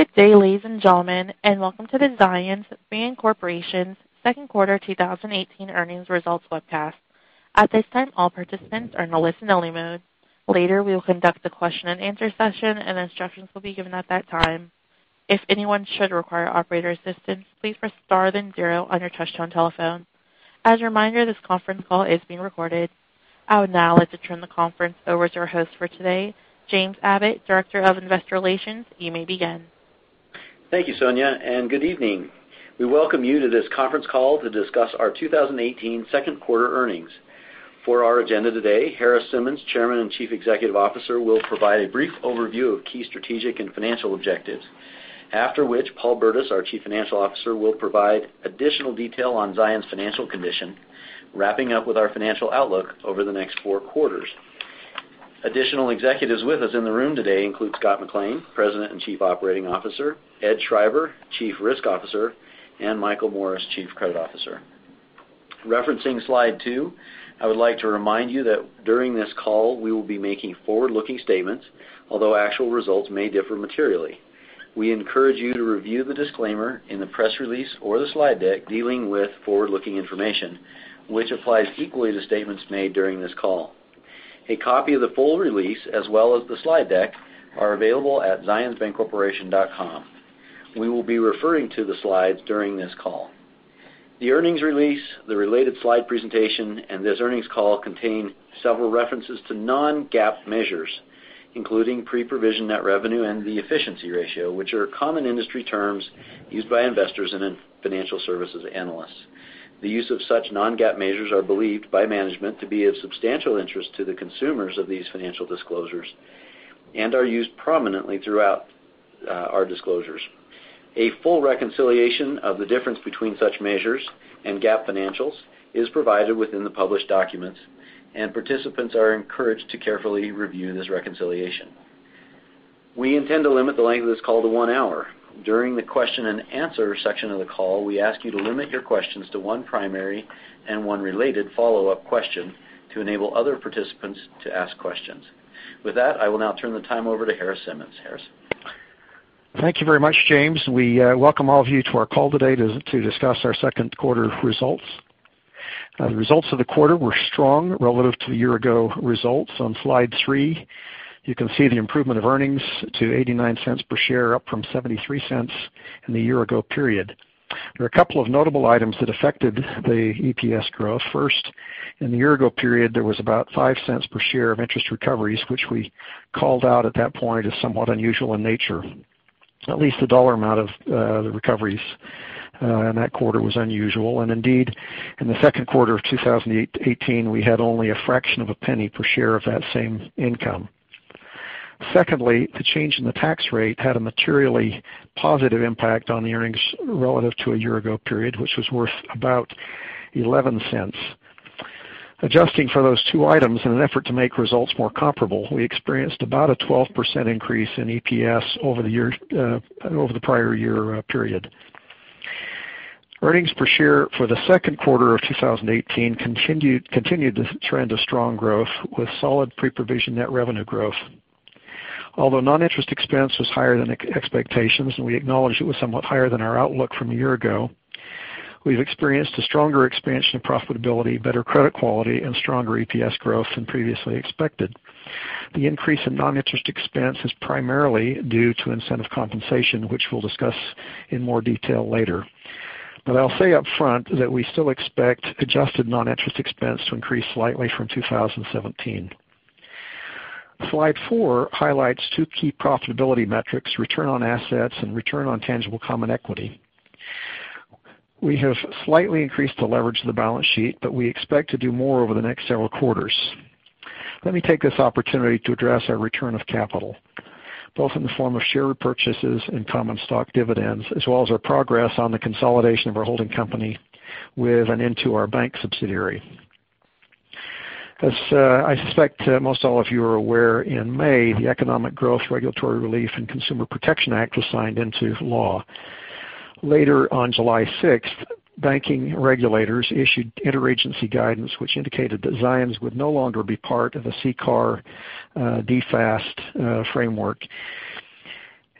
Good day, ladies and gentlemen, and welcome to the Zions Bancorporation's second quarter 2018 earnings results webcast. At this time, all participants are in listen only mode. Later, we will conduct a question and answer session, and instructions will be given at that time. If anyone should require operator assistance, please press star then zero on your touchtone telephone. As a reminder, this conference call is being recorded. I would now like to turn the conference over to our host for today, James Abbott, Director of Investor Relations. You may begin. Thank you, Sonia, and good evening. We welcome you to this conference call to discuss our 2018 second quarter earnings. For our agenda today, Harris Simmons, Chairman and Chief Executive Officer, will provide a brief overview of key strategic and financial objectives. After which, Paul Burdiss, our Chief Financial Officer, will provide additional detail on Zions' financial condition, wrapping up with our financial outlook over the next four quarters. Additional executives with us in the room today include Scott McLean, President and Chief Operating Officer, Edward Schreiber, Chief Risk Officer, and Michael Morris, Chief Credit Officer. Referencing slide two, I would like to remind you that during this call, we will be making forward-looking statements, although actual results may differ materially. We encourage you to review the disclaimer in the press release or the slide deck dealing with forward-looking information, which applies equally to statements made during this call. A copy of the full release, as well as the slide deck, are available at zionsbancorporation.com. We will be referring to the slides during this call. The earnings release, the related slide presentation, and this earnings call contain several references to non-GAAP measures, including pre-provision net revenue and the efficiency ratio, which are common industry terms used by investors and financial services analysts. The use of such non-GAAP measures are believed by management to be of substantial interest to the consumers of these financial disclosures and are used prominently throughout our disclosures. A full reconciliation of the difference between such measures and GAAP financials is provided within the published documents, and participants are encouraged to carefully review this reconciliation. We intend to limit the length of this call to one hour. During the question and answer section of the call, we ask you to limit your questions to one primary and one related follow-up question to enable other participants to ask questions. With that, I will now turn the time over to Harris Simmons. Harris. Thank you very much, James, and we welcome all of you to our call today to discuss our second quarter results. The results of the quarter were strong relative to the year-ago results. On slide three, you can see the improvement of earnings to $0.89 per share up from $0.73 in the year-ago period. There are a couple of notable items that affected the EPS growth. First, in the year-ago period, there was about $0.05 per share of interest recoveries, which we called out at that point as somewhat unusual in nature. At least the dollar amount of the recoveries in that quarter was unusual. Indeed, in the second quarter of 2018, we had only a fraction of a penny per share of that same income. Secondly, the change in the tax rate had a materially positive impact on the earnings relative to a year-ago period, which was worth about $0.11. Adjusting for those two items in an effort to make results more comparable, we experienced about a 12% increase in EPS over the prior-year period. Earnings per share for the second quarter of 2018 continued this trend of strong growth with solid pre-provision net revenue growth. Although non-interest expense was higher than expectations, and we acknowledge it was somewhat higher than our outlook from a year-ago, we've experienced a stronger expansion of profitability, better credit quality, and stronger EPS growth than previously expected. The increase in non-interest expense is primarily due to incentive compensation, which we'll discuss in more detail later. I'll say up front that we still expect adjusted non-interest expense to increase slightly from 2017. Slide four highlights two key profitability metrics, return on assets and return on tangible common equity. We have slightly increased the leverage of the balance sheet, but we expect to do more over the next several quarters. Let me take this opportunity to address our return of capital, both in the form of share repurchases and common stock dividends, as well as our progress on the consolidation of our holding company with and into our bank subsidiary. As I suspect most all of you are aware, in May, the Economic Growth, Regulatory Relief, and Consumer Protection Act was signed into law. Later on July 6th, banking regulators issued interagency guidance, which indicated that Zions would no longer be part of the CCAR/DFAST framework,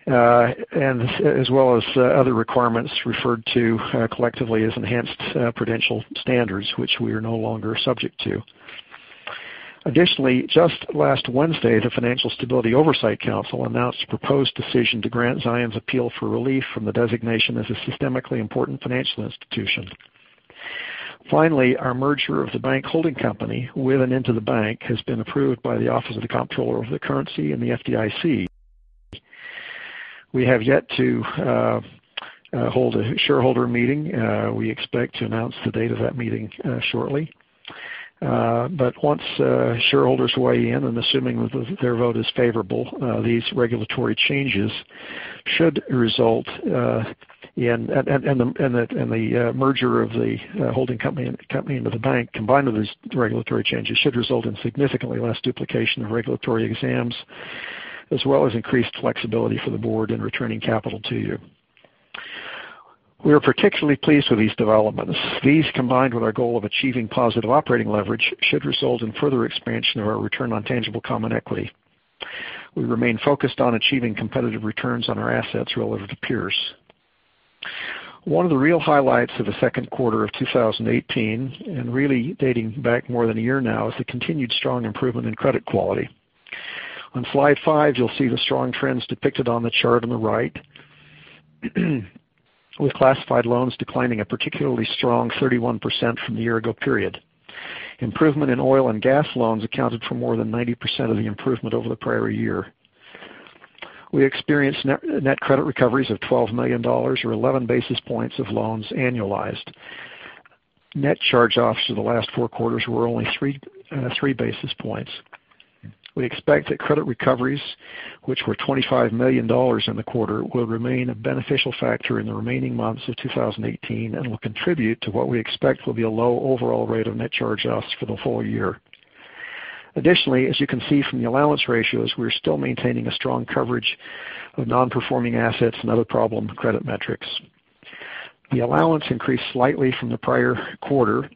as well as other requirements referred to collectively as enhanced prudential standards, which we are no longer subject to. Additionally, just last Wednesday, the Financial Stability Oversight Council announced a proposed decision to grant Zions appeal for relief from the designation as a systemically important financial institution. Finally, our merger of the bank holding company with and into the bank has been approved by the Office of the Comptroller of the Currency and the FDIC. We have yet to hold a shareholder meeting. We expect to announce the date of that meeting shortly. Once shareholders weigh in and assuming their vote is favorable, the merger of the holding company into the bank combined with these regulatory changes should result in significantly less duplication of regulatory exams, as well as increased flexibility for the board in returning capital to you. We are particularly pleased with these developments. These, combined with our goal of achieving positive operating leverage, should result in further expansion of our return on tangible common equity. We remain focused on achieving competitive returns on our assets relative to peers. One of the real highlights of the second quarter of 2018, and really dating back more than a year now, is the continued strong improvement in credit quality. On slide five, you'll see the strong trends depicted on the chart on the right, with classified loans declining a particularly strong 31% from the year-ago period. Improvement in oil and gas loans accounted for more than 90% of the improvement over the prior year. We experienced net credit recoveries of $12 million, or 11 basis points of loans annualized. Net charge-offs for the last four quarters were only three basis points. We expect that credit recoveries, which were $25 million in the quarter, will remain a beneficial factor in the remaining months of 2018 and will contribute to what we expect will be a low overall rate of net charge-offs for the full year. Additionally, as you can see from the allowance ratios, we're still maintaining a strong coverage of non-performing assets and other problem credit metrics. The allowance increased slightly from the prior quarter,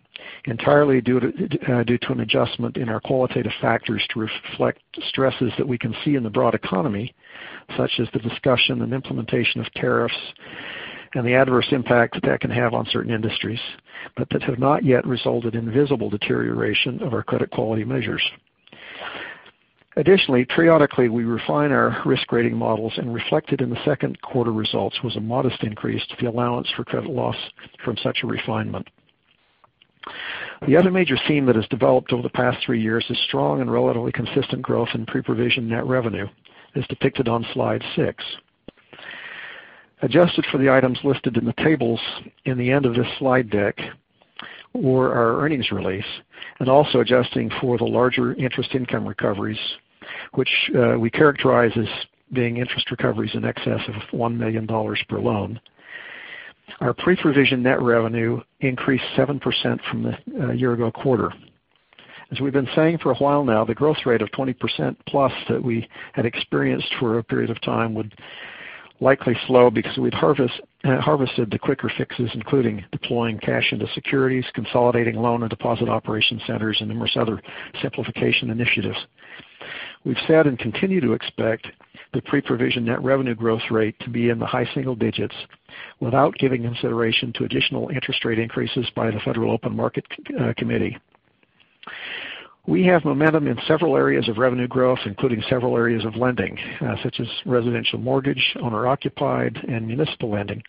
entirely due to an adjustment in our qualitative factors to reflect stresses that we can see in the broad economy, such as the discussion and implementation of tariffs and the adverse impact that that can have on certain industries, but that have not yet resulted in visible deterioration of our credit quality measures. Additionally, periodically we refine our risk rating models, and reflected in the second quarter results was a modest increase to the allowance for credit loss from such a refinement. The other major theme that has developed over the past three years is strong and relatively consistent growth in pre-provision net revenue, as depicted on slide six. Adjusted for the items listed in the tables in the end of this slide deck or our earnings release, and also adjusting for the larger interest income recoveries, which we characterize as being interest recoveries in excess of $1 million per loan. Our pre-provision net revenue increased 7% from the year-ago quarter. As we've been saying for a while now, the growth rate of 20%+ that we had experienced for a period of time would likely slow because we'd harvested the quicker fixes, including deploying cash into securities, consolidating loan and deposit operation centers, and numerous other simplification initiatives. We've said and continue to expect the pre-provision net revenue growth rate to be in the high single digits without giving consideration to additional interest rate increases by the Federal Open Market Committee. We have momentum in several areas of revenue growth, including several areas of lending, such as residential mortgage, owner-occupied, and municipal lending,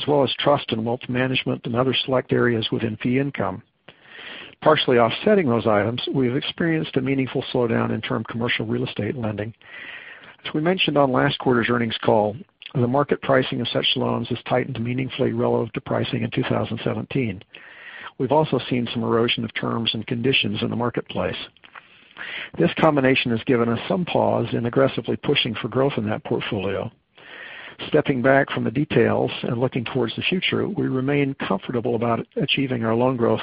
as well as trust and wealth management and other select areas within fee income. Partially offsetting those items, we have experienced a meaningful slowdown in term commercial real estate lending. As we mentioned on last quarter's earnings call, the market pricing of such loans has tightened meaningfully relative to pricing in 2017. We've also seen some erosion of terms and conditions in the marketplace. This combination has given us some pause in aggressively pushing for growth in that portfolio. Stepping back from the details and looking towards the future, we remain comfortable about achieving our loan growth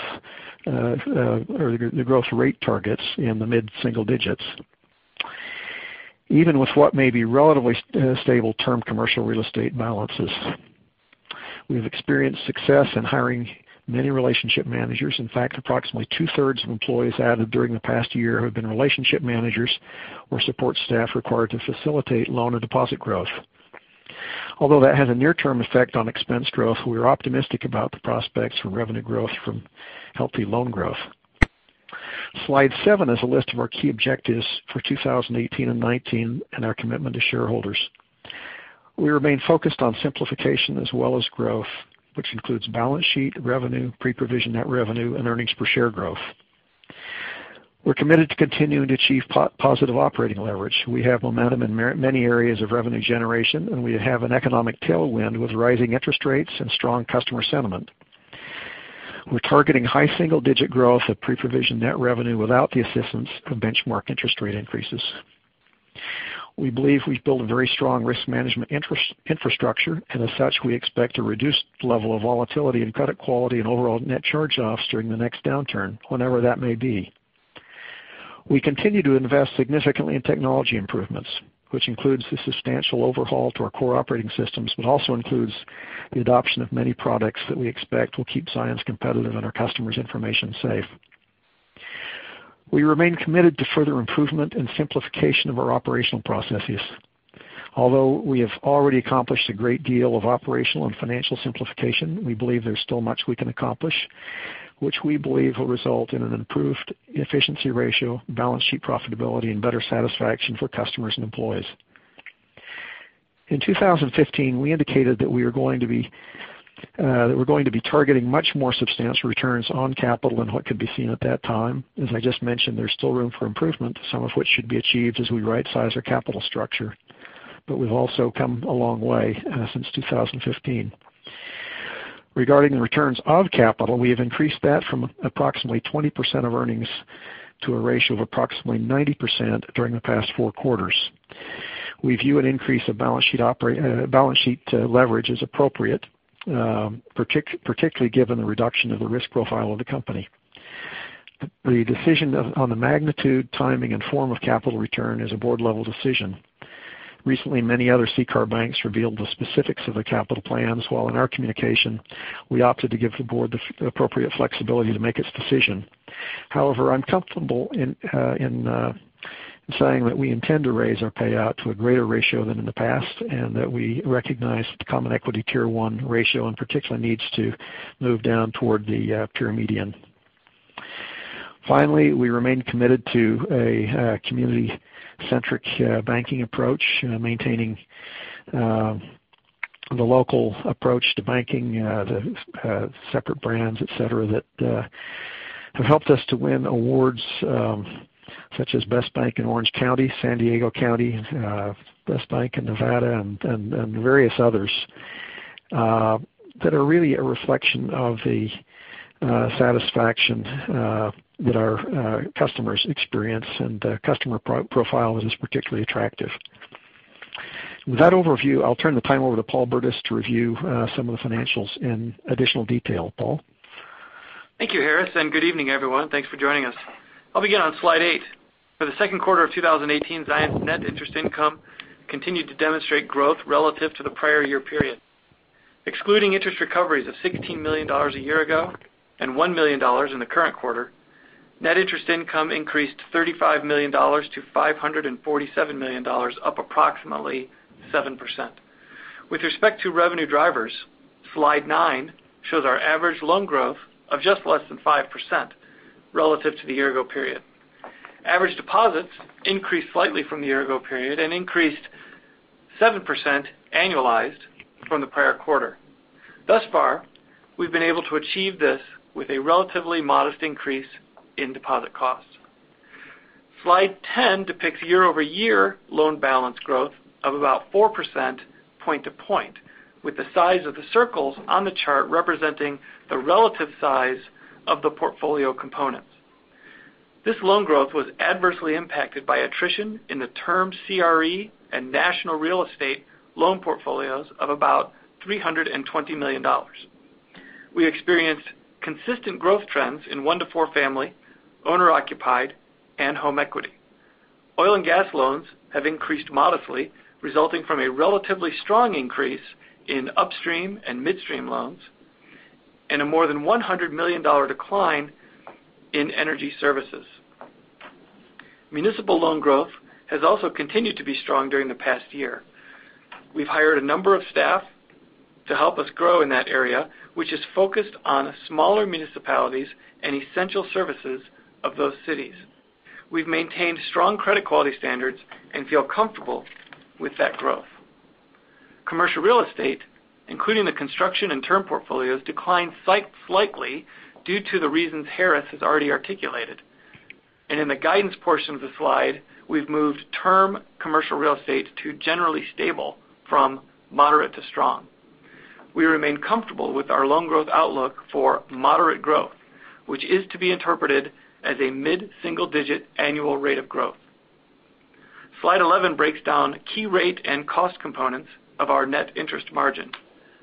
or the growth rate targets in the mid-single digits, even with what may be relatively stable term commercial real estate balances. We've experienced success in hiring many relationship managers. In fact, approximately two-thirds of employees added during the past year have been relationship managers or support staff required to facilitate loan or deposit growth. Although that has a near-term effect on expense growth, we are optimistic about the prospects for revenue growth from healthy loan growth. Slide seven is a list of our key objectives for 2018 and 2019 and our commitment to shareholders. We remain focused on simplification as well as growth, which includes balance sheet, revenue, pre-provision net revenue, and earnings per share growth. We're committed to continuing to achieve positive operating leverage. We have momentum in many areas of revenue generation, and we have an economic tailwind with rising interest rates and strong customer sentiment. We're targeting high single-digit growth of pre-provision net revenue without the assistance of benchmark interest rate increases. We believe we've built a very strong risk management infrastructure, and as such, we expect a reduced level of volatility in credit quality and overall net charge-offs during the next downturn, whenever that may be. We continue to invest significantly in technology improvements, which includes the substantial overhaul to our core operating systems, but also includes the adoption of many products that we expect will keep Zions competitive and our customers' information safe. We remain committed to further improvement and simplification of our operational processes. Although we have already accomplished a great deal of operational and financial simplification, we believe there's still much we can accomplish, which we believe will result in an improved efficiency ratio, balance sheet profitability, and better satisfaction for customers and employees. In 2015, we indicated that we were going to be targeting much more substantial returns on capital than what could be seen at that time. As I just mentioned, there's still room for improvement, some of which should be achieved as we rightsize our capital structure. We've also come a long way since 2015. Regarding the returns of capital, we have increased that from approximately 20% of earnings to a ratio of approximately 90% during the past four quarters. We view an increase of balance sheet leverage as appropriate, particularly given the reduction of the risk profile of the company. The decision on the magnitude, timing, and form of capital return is a board-level decision. Recently, many other CCAR banks revealed the specifics of their capital plans, while in our communication, we opted to give the board the appropriate flexibility to make its decision. I'm comfortable in saying that we intend to raise our payout to a greater ratio than in the past, and that we recognize that the common equity Tier 1 ratio in particular needs to move down toward the peer median. Finally, we remain committed to a community-centric banking approach, maintaining the local approach to banking, the separate brands, et cetera, that have helped us to win awards such as Best Bank in Orange County, San Diego County, Best Bank in Nevada, and various others that are really a reflection of the satisfaction that our customers experience, and customer profile is particularly attractive. With that overview, I'll turn the time over to Paul Burdiss to review some of the financials in additional detail. Paul? Thank you, Harris, good evening, everyone. Thanks for joining us. I'll begin on slide eight. For the second quarter of 2018, Zions' net interest income continued to demonstrate growth relative to the prior year period. Excluding interest recoveries of $16 million a year ago, and $1 million in the current quarter, net interest income increased $35 million to $547 million, up approximately 7%. With respect to revenue drivers, slide nine shows our average loan growth of just less than 5% relative to the year-ago period. Average deposits increased slightly from the year-ago period and increased 7% annualized from the prior quarter. Thus far, we've been able to achieve this with a relatively modest increase in deposit costs. Slide 10 depicts year-over-year loan balance growth of about 4% point to point, with the size of the circles on the chart representing the relative size of the portfolio components. This loan growth was adversely impacted by attrition in the term CRE and national real estate loan portfolios of about $320 million. We experienced consistent growth trends in one to four family, owner-occupied, and home equity. Oil and gas loans have increased modestly, resulting from a relatively strong increase in upstream and midstream loans and a more than $100 million decline in energy services. Municipal loan growth has also continued to be strong during the past year. We've hired a number of staff to help us grow in that area, which is focused on smaller municipalities and essential services of those cities. We've maintained strong credit quality standards and feel comfortable with that growth. Commercial real estate, including the construction and term portfolios, declined slightly due to the reasons Harris has already articulated. In the guidance portion of the slide, we've moved term commercial real estate to generally stable from moderate to strong. We remain comfortable with our loan growth outlook for moderate growth, which is to be interpreted as a mid-single digit annual rate of growth. Slide 11 breaks down key rate and cost components of our net interest margin.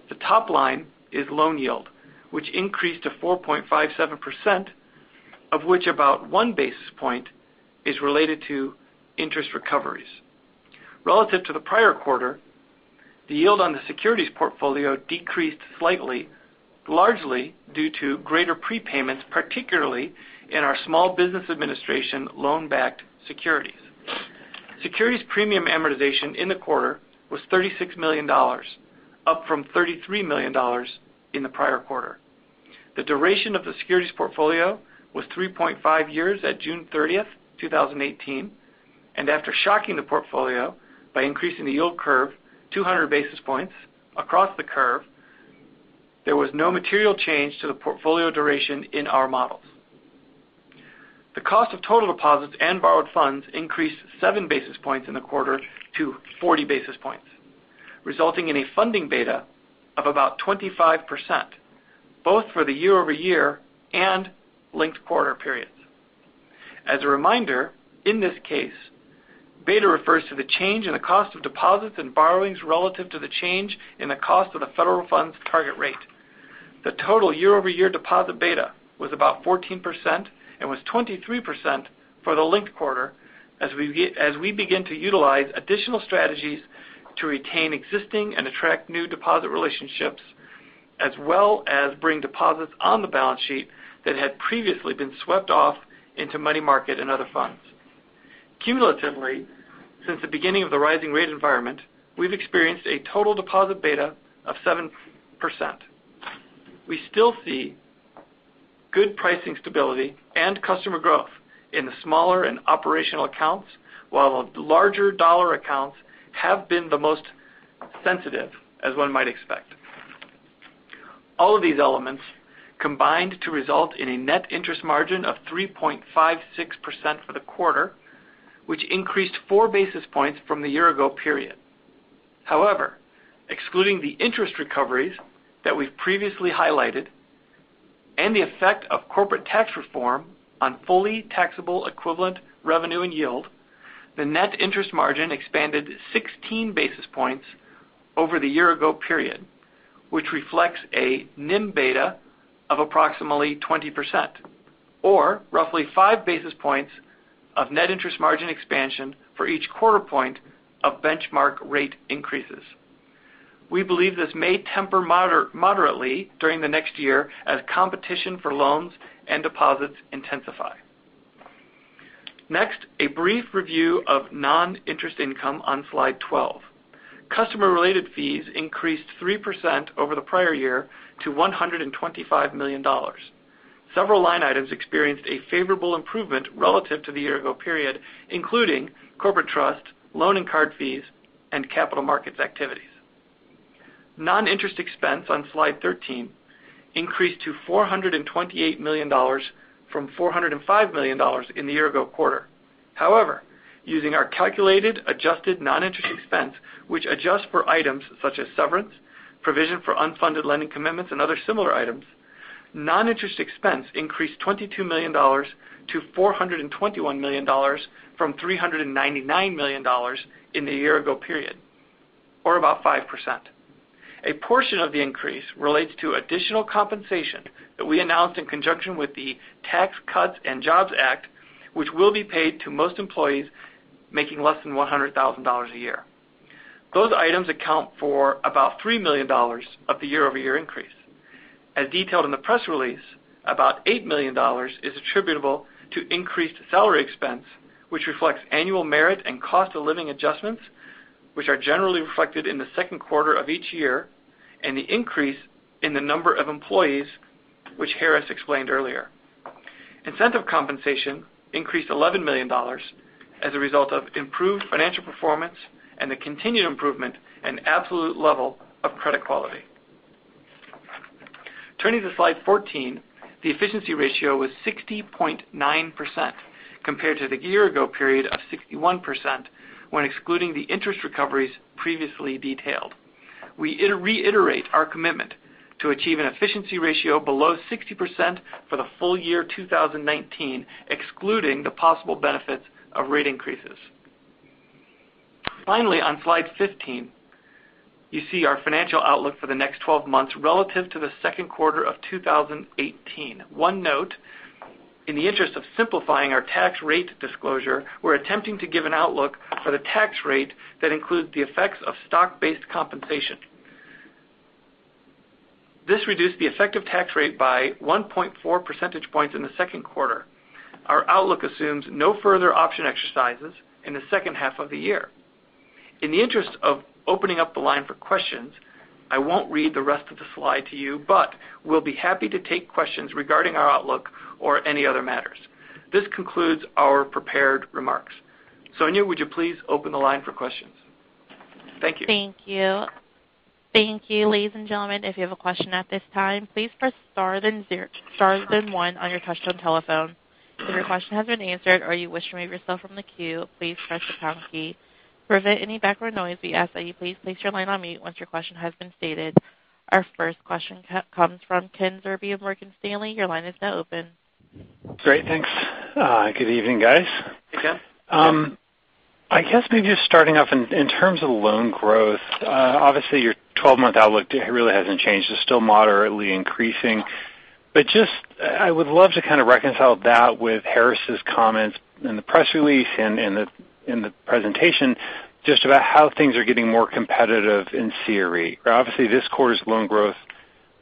The top line is loan yield, which increased to 4.57%, of which about one basis point is related to interest recoveries. Relative to the prior quarter, the yield on the securities portfolio decreased slightly, largely due to greater prepayments, particularly in our Small Business Administration loan-backed securities. Securities premium amortization in the quarter was $36 million, up from $33 million in the prior quarter. The duration of the securities portfolio was three years at June 30, 2018. After shocking the portfolio by increasing the yield curve 200 basis points across the curve, there was no material change to the portfolio duration in our models. The cost of total deposits and borrowed funds increased seven basis points in the quarter to 40 basis points, resulting in a funding beta of about 25%, both for the year-over-year and linked quarter periods. As a reminder, in this case, beta refers to the change in the cost of deposits and borrowings relative to the change in the cost of the federal funds target rate. The total year-over-year deposit beta was about 14% and was 23% for the linked quarter as we begin to utilize additional strategies to retain existing and attract new deposit relationships as well as bring deposits on the balance sheet that had previously been swept off into money market and other funds. Cumulatively, since the beginning of the rising rate environment, we've experienced a total deposit beta of 7%. We still see good pricing stability and customer growth in the smaller and operational accounts, while the larger dollar accounts have been the most sensitive, as one might expect. All of these elements combined to result in a net interest margin of 3.56% for the quarter, which increased four basis points from the year-ago period. However, excluding the interest recoveries that we've previously highlighted and the effect of corporate tax reform on fully taxable equivalent revenue and yield, the net interest margin expanded 16 basis points over the year-ago period. This reflects a NIM beta of approximately 20%, or roughly five basis points of net interest margin expansion for each quarter point of benchmark rate increases. We believe this may temper moderately during the next year as competition for loans and deposits intensify. Next, a brief review of non-interest income on slide 12. Customer-related fees increased 3% over the prior year to $125 million. Several line items experienced a favorable improvement relative to the year-ago period, including corporate trust, loan and card fees, and capital markets activities. Non-interest expense on slide 13 increased to $428 million from $405 million in the year-ago quarter. However, using our calculated adjusted non-interest expense, which adjusts for items such as severance, provision for unfunded lending commitments, and other similar items, non-interest expense increased $22 million to $421 million from $399 million in the year-ago period, or about 5%. A portion of the increase relates to additional compensation that we announced in conjunction with the Tax Cuts and Jobs Act, which will be paid to most employees making less than $100,000 a year. Those items account for about $3 million of the year-over-year increase. As detailed in the press release, about $8 million is attributable to increased salary expense, which reflects annual merit and cost-of-living adjustments, which are generally reflected in the second quarter of each year, and the increase in the number of employees, which Harris explained earlier. Incentive compensation increased $11 million as a result of improved financial performance and the continued improvement and absolute level of credit quality. Turning to slide 14, the efficiency ratio was 60.9% compared to the year-ago period of 61%, when excluding the interest recoveries previously detailed. We reiterate our commitment to achieve an efficiency ratio below 60% for the full year 2019, excluding the possible benefits of rate increases. Finally, on slide 15, you see our financial outlook for the next 12 months relative to the second quarter of 2018. One note, in the interest of simplifying our tax rate disclosure, we're attempting to give an outlook for the tax rate that includes the effects of stock-based compensation. This reduced the effective tax rate by 1.4 percentage points in the second quarter. Our outlook assumes no further option exercises in the second half of the year. In the interest of opening up the line for questions, I won't read the rest of the slide to you, but we'll be happy to take questions regarding our outlook or any other matters. This concludes our prepared remarks. Sonia, would you please open the line for questions? Thank you. Thank you. Thank you, ladies and gentlemen. If you have a question at this time, please press star then one on your touch-tone telephone. If your question has been answered or you wish to remove yourself from the queue, please press the pound key. To prevent any background noise, we ask that you please place your line on mute once your question has been stated. Our first question comes from Kenneth Zerbe of Morgan Stanley. Your line is now open. Great. Thanks. Good evening, guys. Hey, Ken. I guess maybe just starting off in terms of loan growth. Obviously, your 12-month outlook really hasn't changed. It's still moderately increasing. Just, I would love to kind of reconcile that with Harris's comments in the press release and in the presentation just about how things are getting more competitive in CRE. Obviously, this quarter's loan growth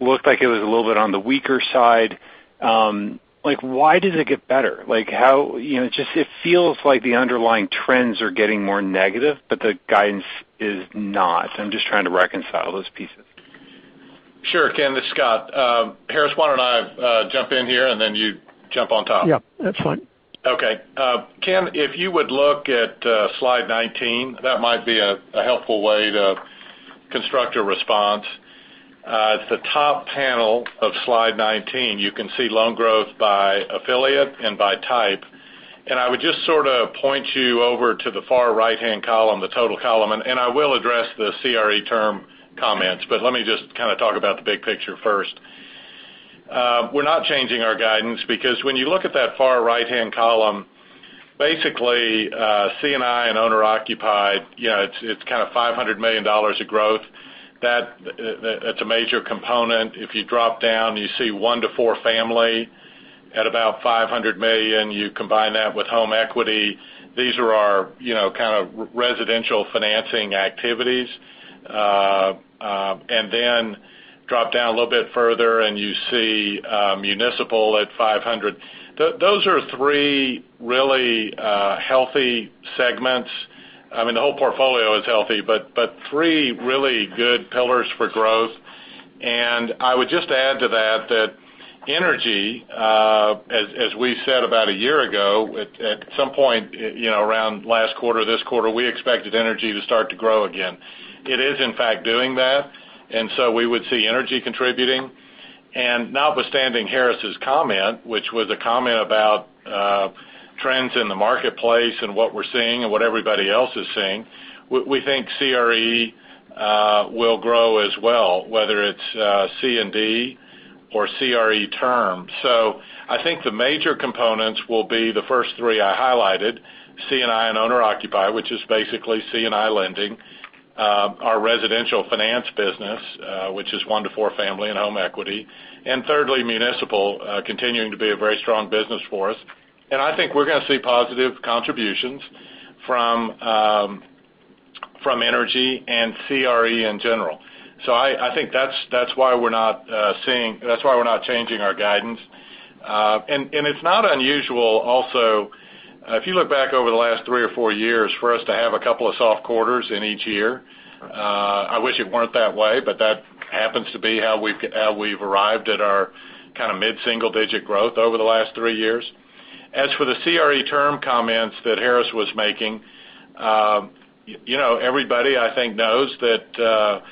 looked like it was a little bit on the weaker side. Why does it get better? It feels like the underlying trends are getting more negative, but the guidance is not. I'm just trying to reconcile those pieces. Sure, Ken. This is Scott. Harris, why don't I jump in here, and then you jump on top? Yeah, that's fine. Ken, if you would look at slide 19, that might be a helpful way to construct a response. At the top panel of slide 19, you can see loan growth by affiliate and by type. I would just sort of point you over to the far right-hand column, the total column. I will address the CRE term comments, but let me just kind of talk about the big picture first. We're not changing our guidance because when you look at that far right-hand column, basically C&I and owner-occupied, it's kind of $500 million of growth. That's a major component. If you drop down, you see one to four family at about $500 million. You combine that with home equity. These are our kind of residential financing activities. Then drop down a little bit further and you see municipal at $500. Those are three really healthy segments. I mean, the whole portfolio is healthy, but three really good pillars for growth. I would just add to that energy, as we said about a year ago, at some point around last quarter, this quarter, we expected energy to start to grow again. It is in fact doing that, so we would see energy contributing. Notwithstanding Harris's comment, which was a comment about trends in the marketplace and what we're seeing and what everybody else is seeing, we think CRE will grow as well, whether it's C&D CRE term. I think the major components will be the first three I highlighted, C&I and owner-occupied, which is basically C&I lending, our residential finance business, which is one to four family and home equity, and thirdly, municipal, continuing to be a very strong business for us. I think we're going to see positive contributions from energy and CRE in general. I think that's why we're not changing our guidance. It's not unusual also, if you look back over the last three or four years, for us to have a couple of soft quarters in each year. I wish it weren't that way, but that happens to be how we've arrived at our mid-single-digit growth over the last three years. As for the CRE term comments that Harris was making, everybody I think knows that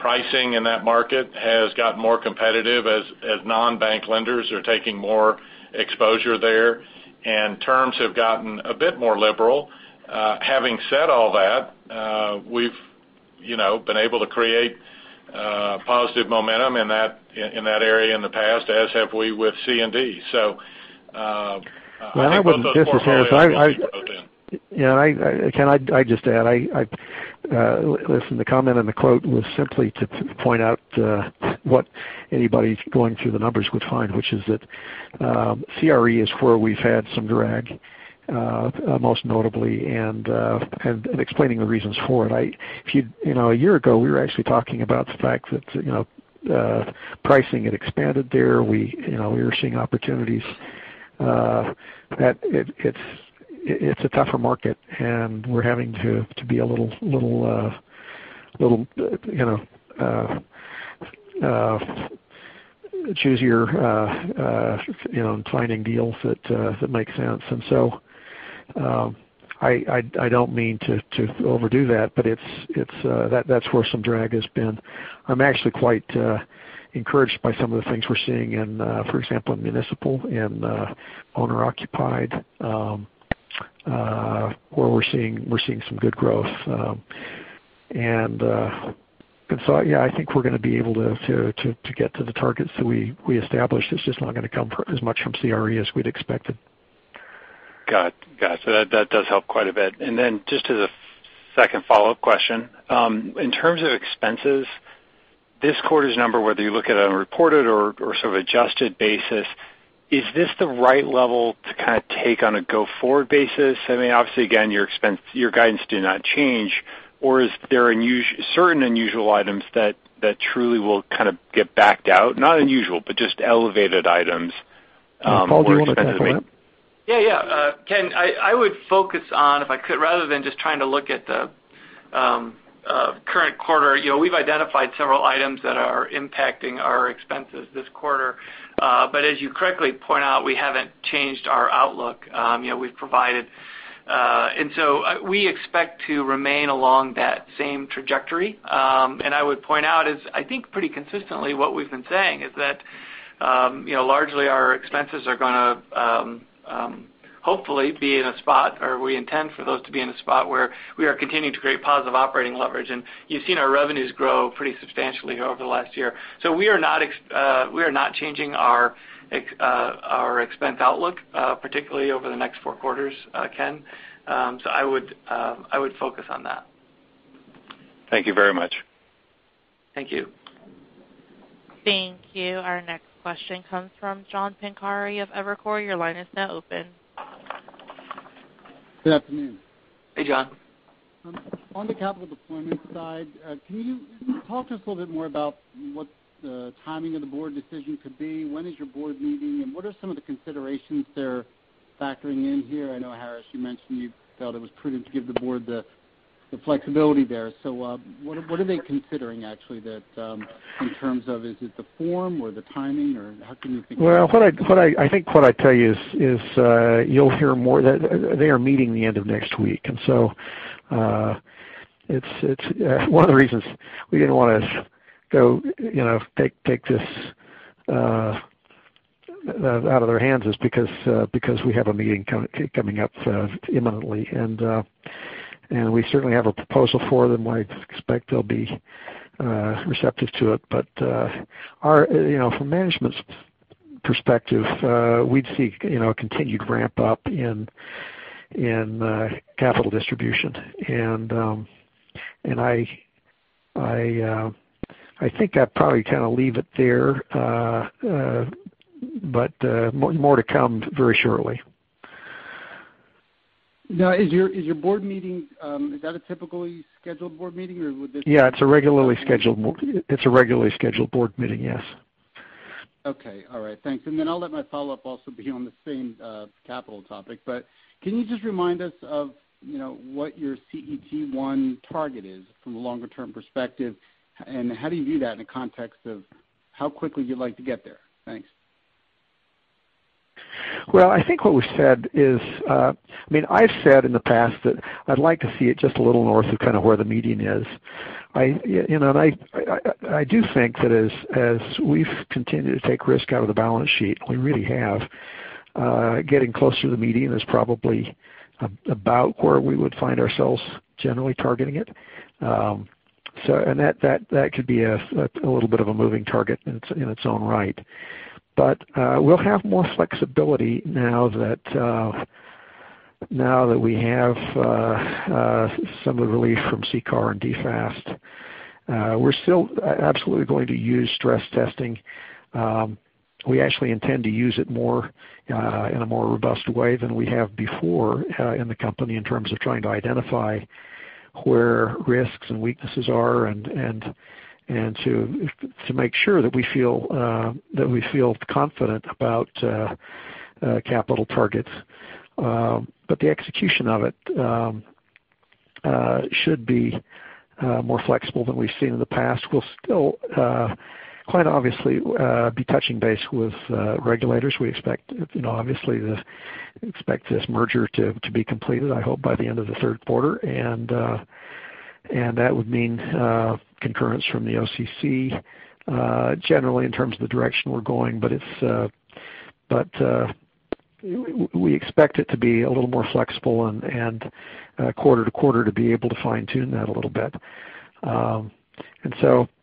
pricing in that market has gotten more competitive as non-bank lenders are taking more exposure there, and terms have gotten a bit more liberal. Having said all that, we've been able to create positive momentum in that area in the past, as have we with C&D. Well, just to say, I think both those portfolios will see growth in. Yeah, Ken, I just add, listen, the comment and the quote was simply to point out what anybody going through the numbers would find, which is that CRE is where we've had some drag, most notably, and explaining the reasons for it. A year ago, we were actually talking about the fact that pricing had expanded there. We were seeing opportunities. It's a tougher market, and we're having to be a little choosier in finding deals that make sense. I don't mean to overdo that, but that's where some drag has been. I'm actually quite encouraged by some of the things we're seeing in, for example, municipal and owner-occupied, where we're seeing some good growth. Yeah, I think we're going to be able to get to the targets that we established. It's just not going to come as much from CRE as we'd expected. Got it. That does help quite a bit. Just as a second follow-up question, in terms of expenses this quarter's number, whether you look at it on a reported or sort of adjusted basis, is this the right level to kind of take on a go-forward basis? I mean, obviously again, your guidance did not change. Is there certain unusual items that truly will kind of get backed out? Not unusual, but just elevated items more expensive- Paul, do you want to tackle that? Yeah. Ken, I would focus on, if I could, rather than just trying to look at the current quarter, we've identified several items that are impacting our expenses this quarter. As you correctly point out, we haven't changed our outlook. We've provided. We expect to remain along that same trajectory. I would point out is, I think pretty consistently what we've been saying is that, largely our expenses are going to hopefully be in a spot, or we intend for those to be in a spot where we are continuing to create positive operating leverage. You've seen our revenues grow pretty substantially over the last year. We are not changing our expense outlook, particularly over the next four quarters, Ken. I would focus on that. Thank you very much. Thank you. Thank you. Our next question comes from John Pancari of Evercore. Your line is now open. Good afternoon. Hey, John. On the capital deployment side, can you talk to us a little bit more about what the timing of the board decision could be? When is your board meeting, and what are some of the considerations they're factoring in here? I know, Harris, you mentioned you felt it was prudent to give the board the flexibility there. What are they considering actually that, in terms of, is it the form or the timing or how can you think Well, I think what I'd tell you is you'll hear more that they are meeting the end of next week. One of the reasons we didn't want to go take this out of their hands is because we have a meeting coming up imminently, and we certainly have a proposal for them and I expect they'll be receptive to it. From management's perspective, we'd seek a continued ramp up in capital distribution. I think I'd probably kind of leave it there. More to come very shortly. Is your board meeting, is that a typically scheduled board meeting, or would this- It's a regularly scheduled board meeting, yes. Okay. All right. Thanks. I'll let my follow-up also be on the same capital topic. Can you just remind us of what your CET1 target is from a longer-term perspective, and how do you view that in the context of how quickly you'd like to get there? Thanks. Well, I think what we said is I mean, I've said in the past that I'd like to see it just a little north of kind of where the median is. I do think that as we've continued to take risk out of the balance sheet, we really have Getting closer to the median is probably about where we would find ourselves generally targeting it. That could be a little bit of a moving target in its own right. We'll have more flexibility now that we have some relief from CCAR and DFAST. We're still absolutely going to use stress testing. We actually intend to use it in a more robust way than we have before in the company, in terms of trying to identify where risks and weaknesses are, and to make sure that we feel confident about capital targets. The execution of it should be more flexible than we've seen in the past. We'll still quite obviously be touching base with regulators. We obviously expect this merger to be completed, I hope by the end of the third quarter, That would mean concurrence from the OCC generally in terms of the direction we're going. We expect it to be a little more flexible and quarter to quarter to be able to fine-tune that a little bit.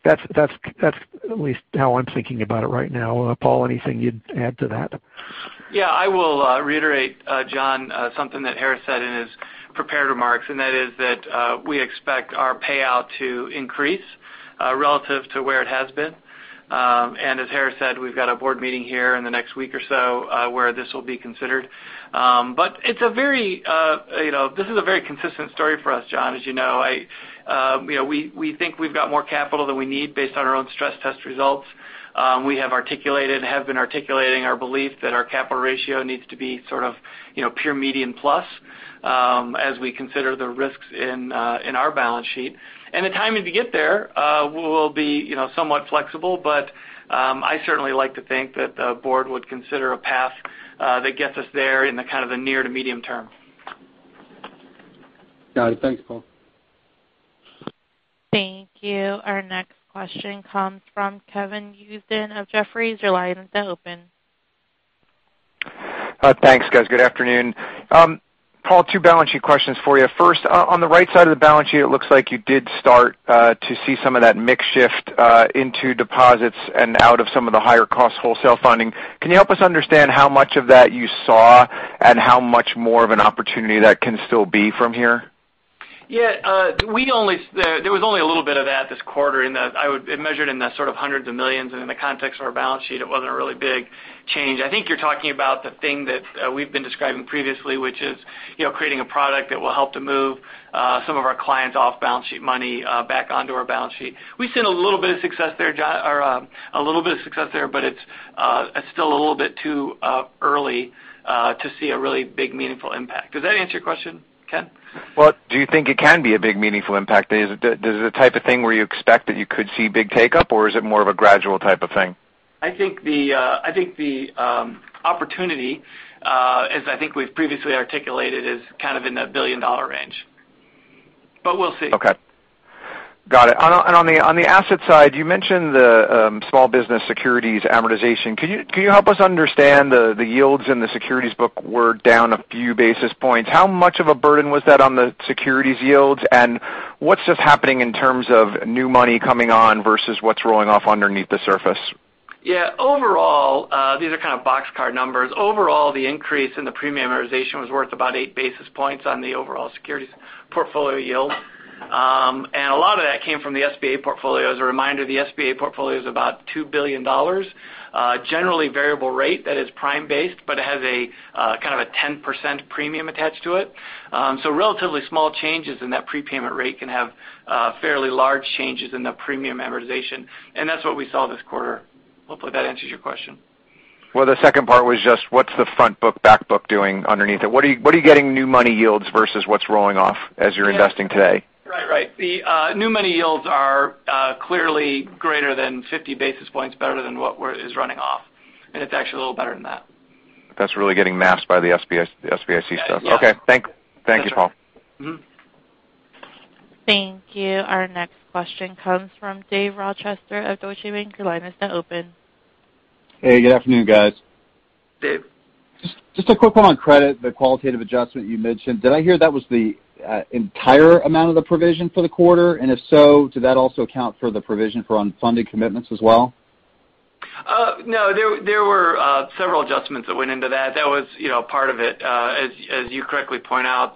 That's at least how I'm thinking about it right now. Paul, anything you'd add to that? Yeah, I will reiterate, John, something that Harris said in his prepared remarks, That is that we expect our payout to increase relative to where it has been. As Harris said, we've got a board meeting here in the next week or so where this will be considered. This is a very consistent story for us, John, as you know. We think we've got more capital than we need based on our own stress test results. We have articulated and have been articulating our belief that our capital ratio needs to be peer median plus as we consider the risks in our balance sheet. The timing to get there will be somewhat flexible, but I certainly like to think that the board would consider a path that gets us there in the near to medium term. Got it. Thanks, Paul. Thank you. Our next question comes from Ken Usdin of Jefferies. Your line is now open. Thanks, guys. Good afternoon. Paul, two balance sheet questions for you. First, on the right side of the balance sheet, it looks like you did start to see some of that mix shift into deposits and out of some of the higher cost wholesale funding. Can you help us understand how much of that you saw and how much more of an opportunity that can still be from here? Yeah. There was only a little bit of that this quarter. It measured in the $hundreds of millions, and in the context of our balance sheet, it wasn't a really big change. I think you're talking about the thing that we've been describing previously, which is creating a product that will help to move some of our clients off balance sheet money back onto our balance sheet. We've seen a little bit of success there, but it's still a little bit too early to see a really big, meaningful impact. Does that answer your question, Ken? Well, do you think it can be a big, meaningful impact? Is it the type of thing where you expect that you could see big take-up, or is it more of a gradual type of thing? I think the opportunity, as I think we've previously articulated, is in the billion-dollar range. We'll see. Okay. Got it. On the asset side, you mentioned the small business securities amortization. Can you help us understand the yields in the securities book were down a few basis points. How much of a burden was that on the securities yields, and what's just happening in terms of new money coming on versus what's rolling off underneath the surface? Yeah. These are kind of boxcar numbers. Overall, the increase in the premium amortization was worth about eight basis points on the overall securities portfolio yield. A lot of that came from the SBA portfolio. As a reminder, the SBA portfolio is about $2 billion. Generally variable rate that is prime-based, but it has a 10% premium attached to it. Relatively small changes in that prepayment rate can have fairly large changes in the premium amortization, and that's what we saw this quarter. Hopefully, that answers your question. Well, the second part was just what's the front book, back book doing underneath it? What are you getting new money yields versus what's rolling off as you're investing today? Right. The new money yields are clearly greater than 50 basis points better than what is running off, and it's actually a little better than that. That's really getting masked by the SBIC stuff. Yeah. Okay. Thank you, Paul. Thank you. Our next question comes from Dave Rochester of Deutsche Bank. Your line is now open. Hey. Good afternoon, guys. Dave. Just a quick one on credit, the qualitative adjustment you mentioned. Did I hear that was the entire amount of the provision for the quarter? If so, did that also account for the provision for unfunded commitments as well? No. There were several adjustments that went into that. That was part of it. As you correctly point out,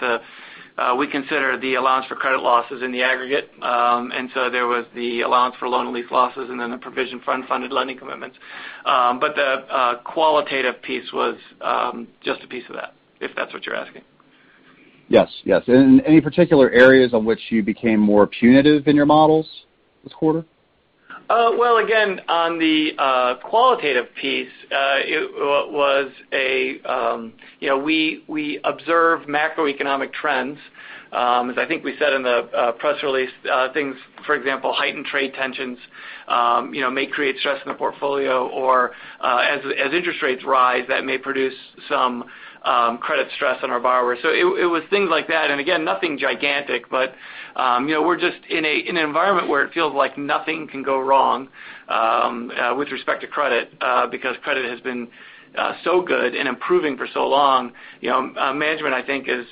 we consider the allowance for credit losses in the aggregate. There was the allowance for loan and lease losses and then the provision for unfunded lending commitments. The qualitative piece was just a piece of that, if that's what you're asking. Yes. Any particular areas on which you became more punitive in your models this quarter? Well, again, on the qualitative piece, we observe macroeconomic trends. As I think we said in the press release, things, for example, heightened trade tensions may create stress in the portfolio, or as interest rates rise, that may produce some credit stress on our borrowers. It was things like that, and again, nothing gigantic, but we're just in an environment where it feels like nothing can go wrong with respect to credit because credit has been so good and improving for so long. Management, I think is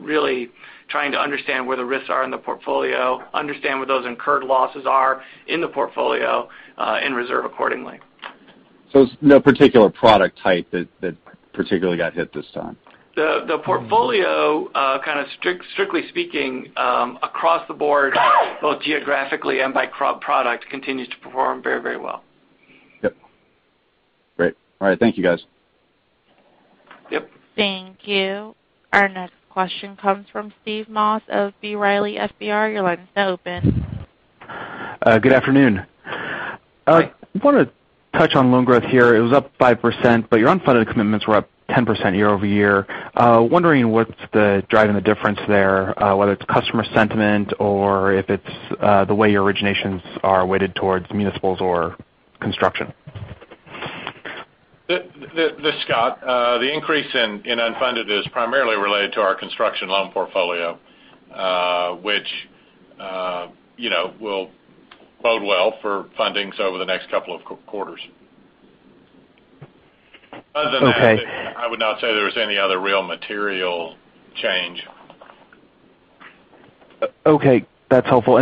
really Trying to understand where the risks are in the portfolio, understand where those incurred losses are in the portfolio, and reserve accordingly. There's no particular product type that particularly got hit this time? The portfolio, strictly speaking, across the board both geographically and by product, continues to perform very well. Yep. Great. All right. Thank you, guys. Yep. Thank you. Our next question comes from Steve Moss of B. Riley FBR. Your line is now open. Good afternoon. Hi. I want to touch on loan growth here. It was up 5%, but your unfunded commitments were up 10% year-over-year. Wondering what's driving the difference there, whether it's customer sentiment or if it's the way your originations are weighted towards municipals or construction. This is Scott. The increase in unfunded is primarily related to our construction loan portfolio, which will bode well for fundings over the next couple of quarters. Okay. Other than that, I would not say there was any other real material change. Okay, that's helpful.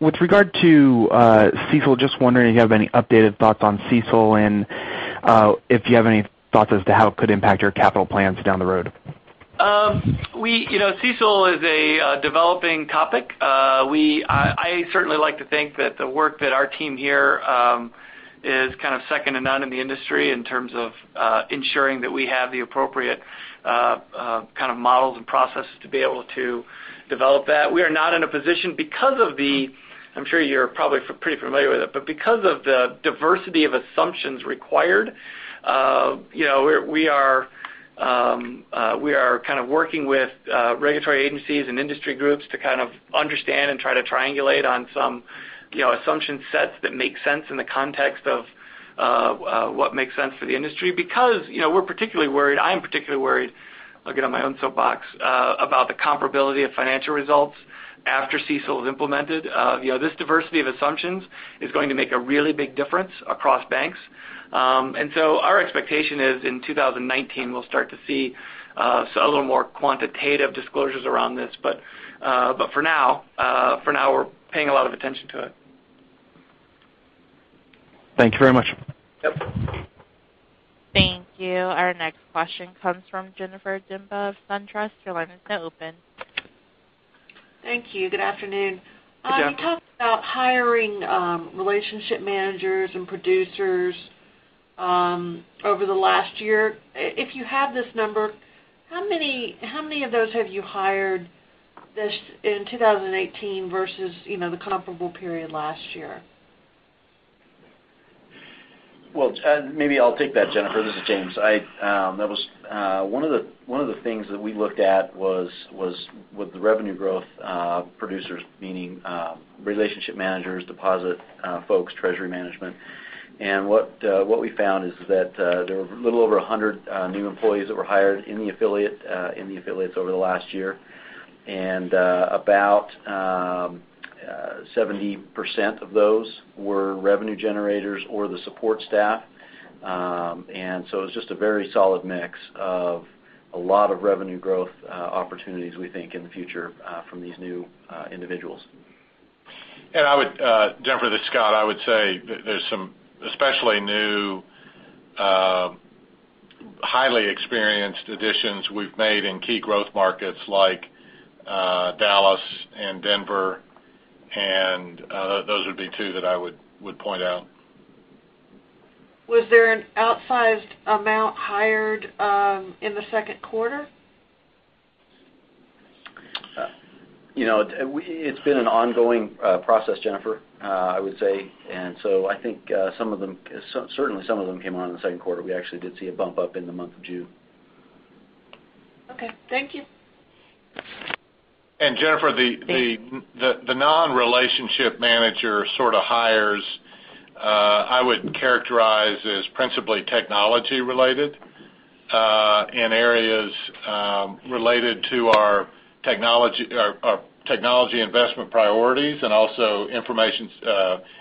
With regard to CECL, just wondering if you have any updated thoughts on CECL and if you have any thoughts as to how it could impact your capital plans down the road. CECL is a developing topic. I certainly like to think that the work that our team here is kind of second to none in the industry in terms of ensuring that we have the appropriate kind of models and processes to be able to develop that. We are not in a position because of the I'm sure you're probably pretty familiar with it, but because of the diversity of assumptions required, we are working with regulatory agencies and industry groups to kind of understand and try to triangulate on some assumption sets that make sense in the context of what makes sense for the industry. We're particularly worried, I'm particularly worried, I'll get on my own soapbox, about the comparability of financial results after CECL is implemented. This diversity of assumptions is going to make a really big difference across banks. Our expectation is in 2019, we'll start to see a little more quantitative disclosures around this. For now we're paying a lot of attention to it. Thank you very much. Yep. Thank you. Our next question comes from Jennifer Demba of SunTrust. Your line is now open. Thank you. Good afternoon. Good afternoon. You talked about hiring relationship managers and producers over the last year. If you have this number, how many of those have you hired in 2018 versus the comparable period last year? Well, maybe I'll take that, Jennifer. This is James. One of the things that we looked at was with the revenue growth producers, meaning relationship managers, deposit folks, treasury management. What we found is that there were a little over 100 new employees that were hired in the affiliates over the last year, and about 70% of those were revenue generators or the support staff. So it was just a very solid mix of a lot of revenue growth opportunities we think in the future from these new individuals. Jennifer, this is Scott. I would say there's some especially new highly experienced additions we've made in key growth markets like Dallas and Denver. Those would be two that I would point out. Was there an outsized amount hired in the second quarter? It's been an ongoing process, Jennifer, I would say, and so I think certainly some of them came on in the second quarter. We actually did see a bump up in the month of June. Okay. Thank you. Jennifer. Thanks the non-relationship manager sort of hires, I would characterize as principally technology related, in areas related to our technology investment priorities and also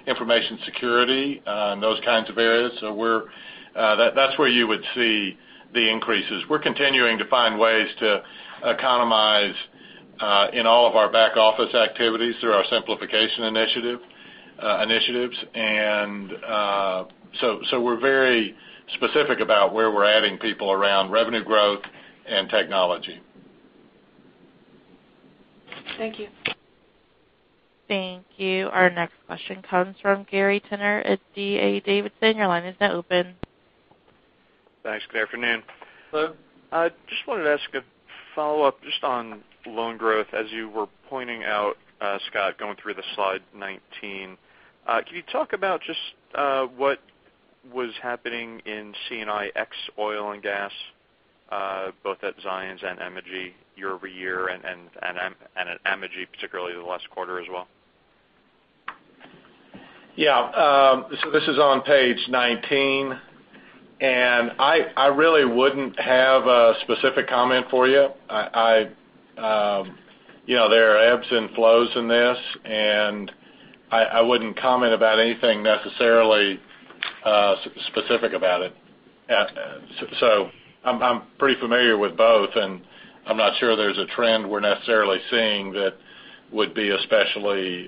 information security, and those kinds of areas. That's where you would see the increases. We're continuing to find ways to economize in all of our back office activities through our simplification initiatives. We're very specific about where we're adding people around revenue growth and technology. Thank you. Thank you. Our next question comes from Gary Tenner at D.A. Davidson. Your line is now open. Thanks. Good afternoon. Hello. Just wanted to ask a follow-up just on loan growth as you were pointing out, Scott McLean, going through the slide 19. Can you talk about just what was happening in C&I ex oil and gas, both at Zions and Amegy year-over-year and at Amegy, particularly the last quarter as well? This is on page 19, and I really wouldn't have a specific comment for you. There are ebbs and flows in this, and I wouldn't comment about anything necessarily specific about it. I'm pretty familiar with both, and I'm not sure there's a trend we're necessarily seeing that would be especially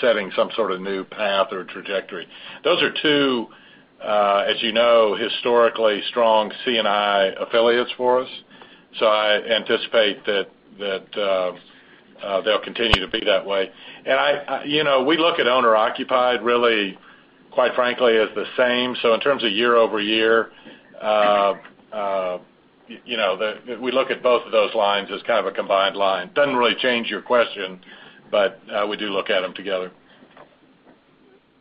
setting some sort of new path or trajectory. Those are two, as you know, historically strong C&I affiliates for us, I anticipate that they'll continue to be that way. We look at owner-occupied really, quite frankly, as the same. In terms of year-over-year, we look at both of those lines as kind of a combined line. Doesn't really change your question, but we do look at them together.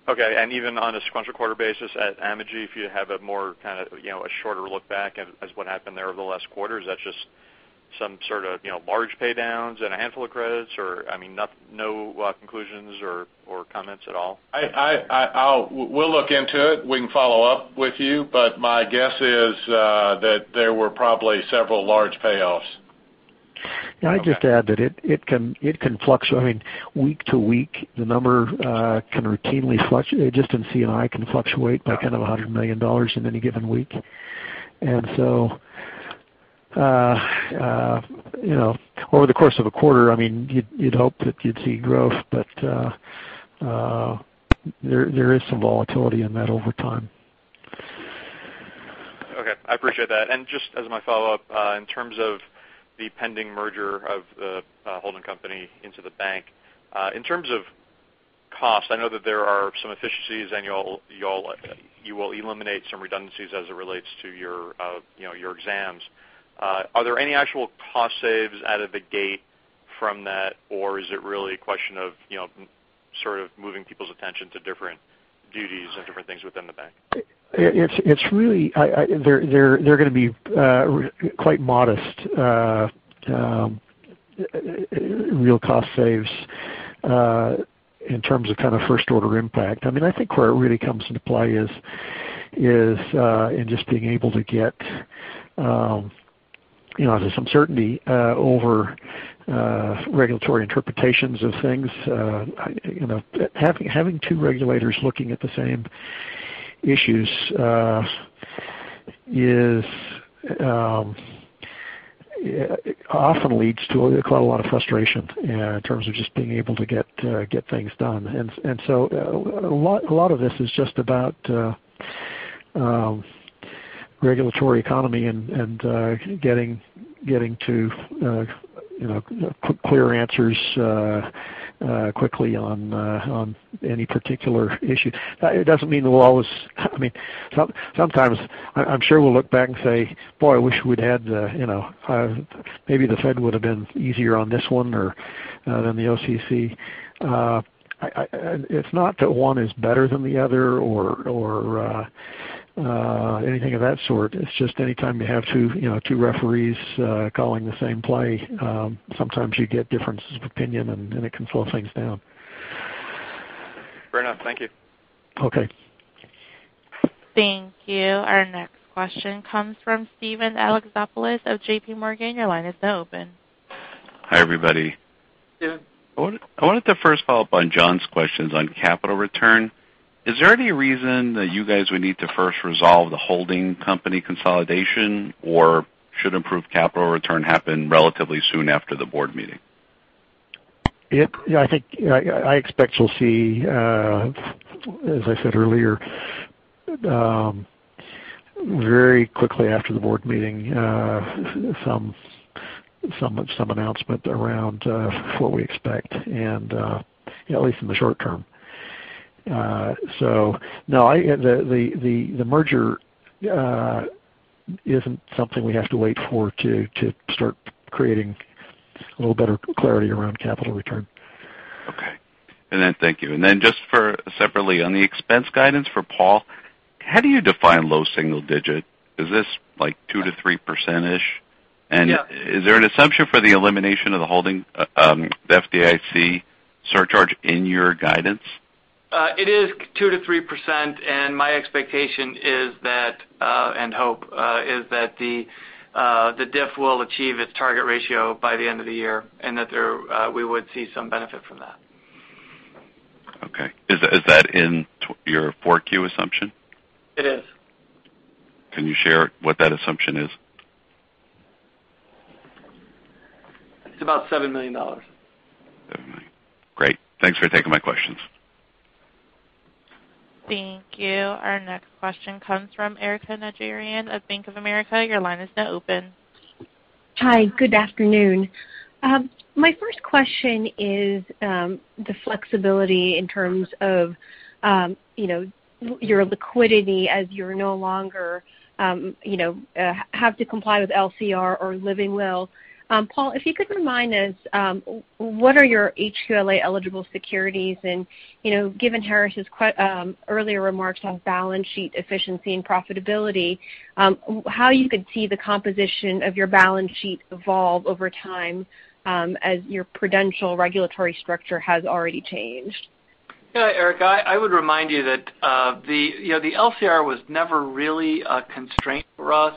Okay, even on a sequential quarter basis at Amegy, if you have a more kind of a shorter look back at what happened there over the last quarter, is that just some sort of large paydowns and a handful of credits or no conclusions or comments at all? We'll look into it. We can follow up with you, but my guess is that there were probably several large payoffs. I'd just add that it can fluctuate week-to-week. The number can routinely fluctuate. Just in C&I can fluctuate by kind of $100 million in any given week. Over the course of a quarter, you'd hope that you'd see growth, but there is some volatility in that over time. Okay. I appreciate that. Just as my follow-up, in terms of the pending merger of the holding company into the bank. In terms of cost, I know that there are some efficiencies and you will eliminate some redundancies as it relates to your exams. Are there any actual cost saves out of the gate from that, or is it really a question of moving people's attention to different duties and different things within the bank? They're going to be quite modest real cost saves in terms of first order impact. I think where it really comes into play is in just being able to get some certainty over regulatory interpretations of things. Having two regulators looking at the same issues often leads to quite a lot of frustration in terms of just being able to get things done. A lot of this is just about regulatory economy and getting to clear answers quickly on any particular issue. Sometimes, I'm sure we'll look back and say, "Boy, I wish we'd had Maybe the Fed would've been easier on this one than the OCC." It's not that one is better than the other or anything of that sort. It's just anytime you have two referees calling the same play, sometimes you get differences of opinion, and it can slow things down. Fair enough. Thank you. Okay. Thank you. Our next question comes from Steven Alexopoulos of JPMorgan. Your line is now open. Hi, everybody. Steven. I wanted to first follow up on John's questions on capital return. Is there any reason that you guys would need to first resolve the holding company consolidation, or should improved capital return happen relatively soon after the board meeting? I expect you'll see, as I said earlier, very quickly after the board meeting, some announcement around what we expect, at least in the short term. No, the merger isn't something we have to wait for to start creating a little better clarity around capital return. Okay. Thank you. Then just for separately on the expense guidance for Paul, how do you define low single digit? Is this like two to three percent-ish? Yeah. Is there an assumption for the elimination of the FDIC surcharge in your guidance? It is 2%-3%. My expectation and hope is that the DIF will achieve its target ratio by the end of the year, that we would see some benefit from that. Okay. Is that in your 4Q assumption? It is. Can you share what that assumption is? It's about $7 million. $7 million. Great. Thanks for taking my questions. Thank you. Our next question comes from Erika Najarian of Bank of America. Your line is now open. Hi, good afternoon. My first question is the flexibility in terms of your liquidity as you're no longer have to comply with LCR or living will. Paul, if you could remind us what are your HQLA eligible securities and, given Harris' earlier remarks on balance sheet efficiency and profitability, how you could see the composition of your balance sheet evolve over time as your prudential regulatory structure has already changed? Yeah, Erika, I would remind you that the LCR was never really a constraint for us.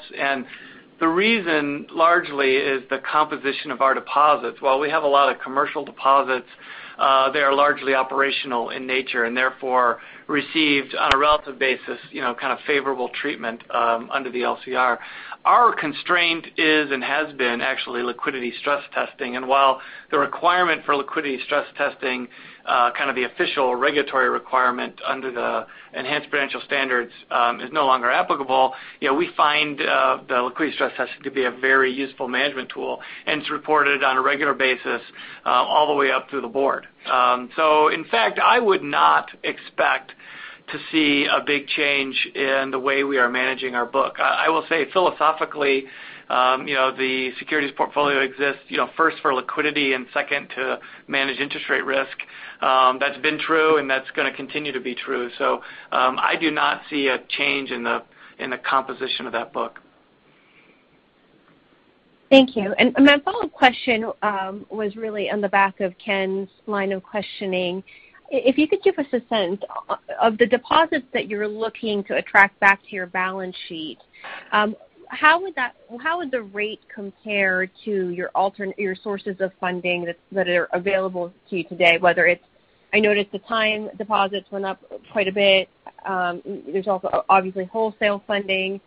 The reason largely is the composition of our deposits. While we have a lot of commercial deposits, they are largely operational in nature, and therefore, received on a relative basis, kind of favorable treatment under the LCR. Our constraint is and has been actually liquidity stress testing. While the requirement for liquidity stress testing, kind of the official regulatory requirement under the enhanced financial standards, is no longer applicable, we find the liquidity stress testing to be a very useful management tool, and it's reported on a regular basis all the way up through the board. In fact, I would not expect to see a big change in the way we are managing our book. I will say philosophically, the securities portfolio exists first for liquidity and second to manage interest rate risk. That's been true, and that's going to continue to be true. I do not see a change in the composition of that book. Thank you. My follow-up question was really on the back of Ken's line of questioning. If you could give us a sense of the deposits that you're looking to attract back to your balance sheet, how would the rate compare to your sources of funding that are available to you today? I noticed the time deposits went up quite a bit. There's also obviously wholesale funding.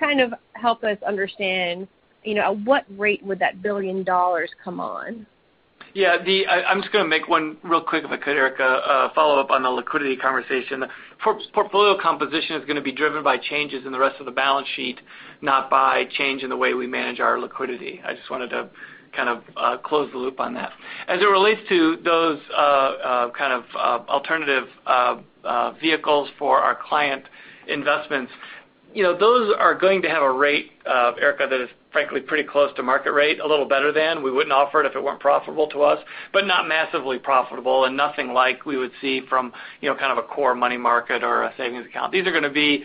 Kind of help us understand, at what rate would that $1 billion come on? Yeah. I'm just going to make one real quick if I could, Erika, follow-up on the liquidity conversation. Portfolio composition is going to be driven by changes in the rest of the balance sheet, not by change in the way we manage our liquidity. I just wanted to kind of close the loop on that. As it relates to those kind of alternative vehicles for our client investments, those are going to have a rate, Erika, that is frankly pretty close to market rate, a little better than. We wouldn't offer it if it weren't profitable to us, but not massively profitable and nothing like we would see from kind of a core money market or a savings account. These are going to be,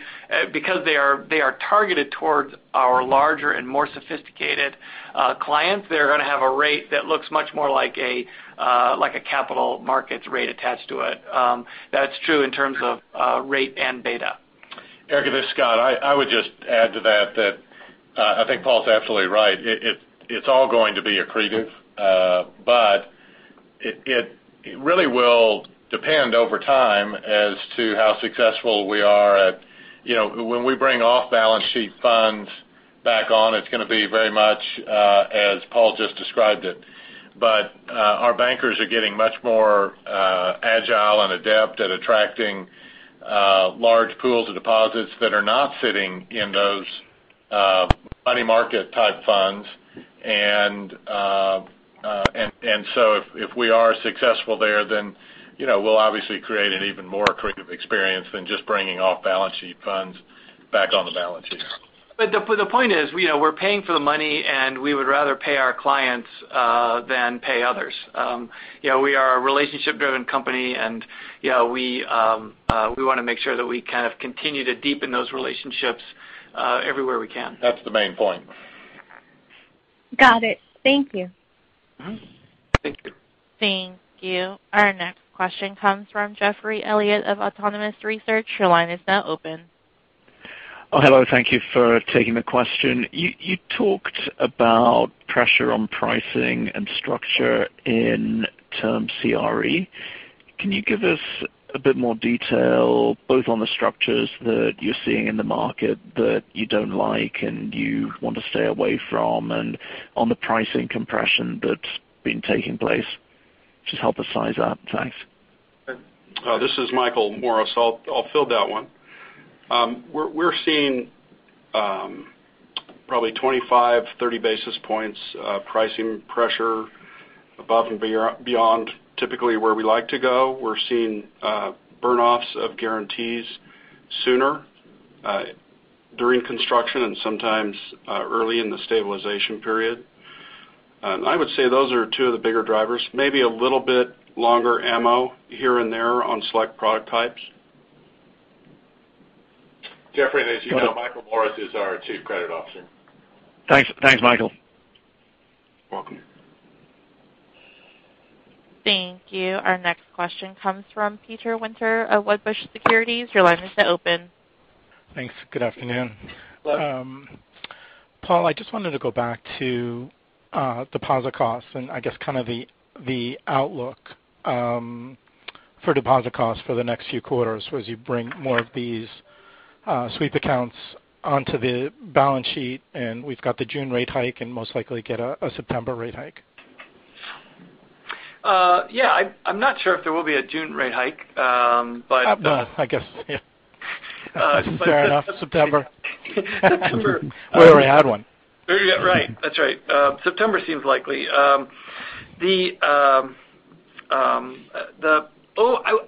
because they are targeted towards our larger and more sophisticated clients, they're going to have a rate that looks much more like a capital markets rate attached to it. That's true in terms of rate and beta. Erika, this is Scott. I would just add to that I think Paul's absolutely right. It's all going to be accretive. It really will depend over time as to how successful we are at when we bring off balance sheet funds back on, it's going to be very much as Paul just described it. Our bankers are getting much more agile and adept at attracting large pools of deposits that are not sitting in those money market type funds. If we are successful there, then we'll obviously create an even more accretive experience than just bringing off balance sheet funds back on the balance sheet. The point is, we're paying for the money, and we would rather pay our clients than pay others. We are a relationship-driven company, and we want to make sure that we kind of continue to deepen those relationships everywhere we can. That's the main point. Got it. Thank you. Thank you. Thank you. Our next question comes from Geoffrey Elliott of Autonomous Research. Your line is now open. Oh, hello. Thank you for taking the question. You talked about pressure on pricing and structure in term CRE. Can you give us a bit more detail both on the structures that you're seeing in the market that you don't like, and you want to stay away from and on the pricing compression that's been taking place? Just help us size up. Thanks. This is Michael Morris. I'll field that one. We're seeing probably 25, 30 basis points pricing pressure above and beyond typically where we like to go. We're seeing burn offs of guarantees sooner during construction and sometimes early in the stabilization period. I would say those are two of the bigger drivers. Maybe a little bit longer ammo here and there on select product types. Geoffrey, as you know, Michael Morris is our Chief Credit Officer. Thanks, Michael. Welcome. Thank you. Our next question comes from Peter Winter of Wedbush Securities. Your line is now open. Thanks. Good afternoon. Hello. Paul, I just wanted to go back to deposit costs and I guess kind of the outlook for deposit costs for the next few quarters as you bring more of these sweep accounts onto the balance sheet, and we've got the June rate hike and most likely get a September rate hike. Yeah. I'm not sure if there will be a June rate hike. I guess, yeah. Fair enough. September. September. We already had one. Right. That's right. September seems likely. I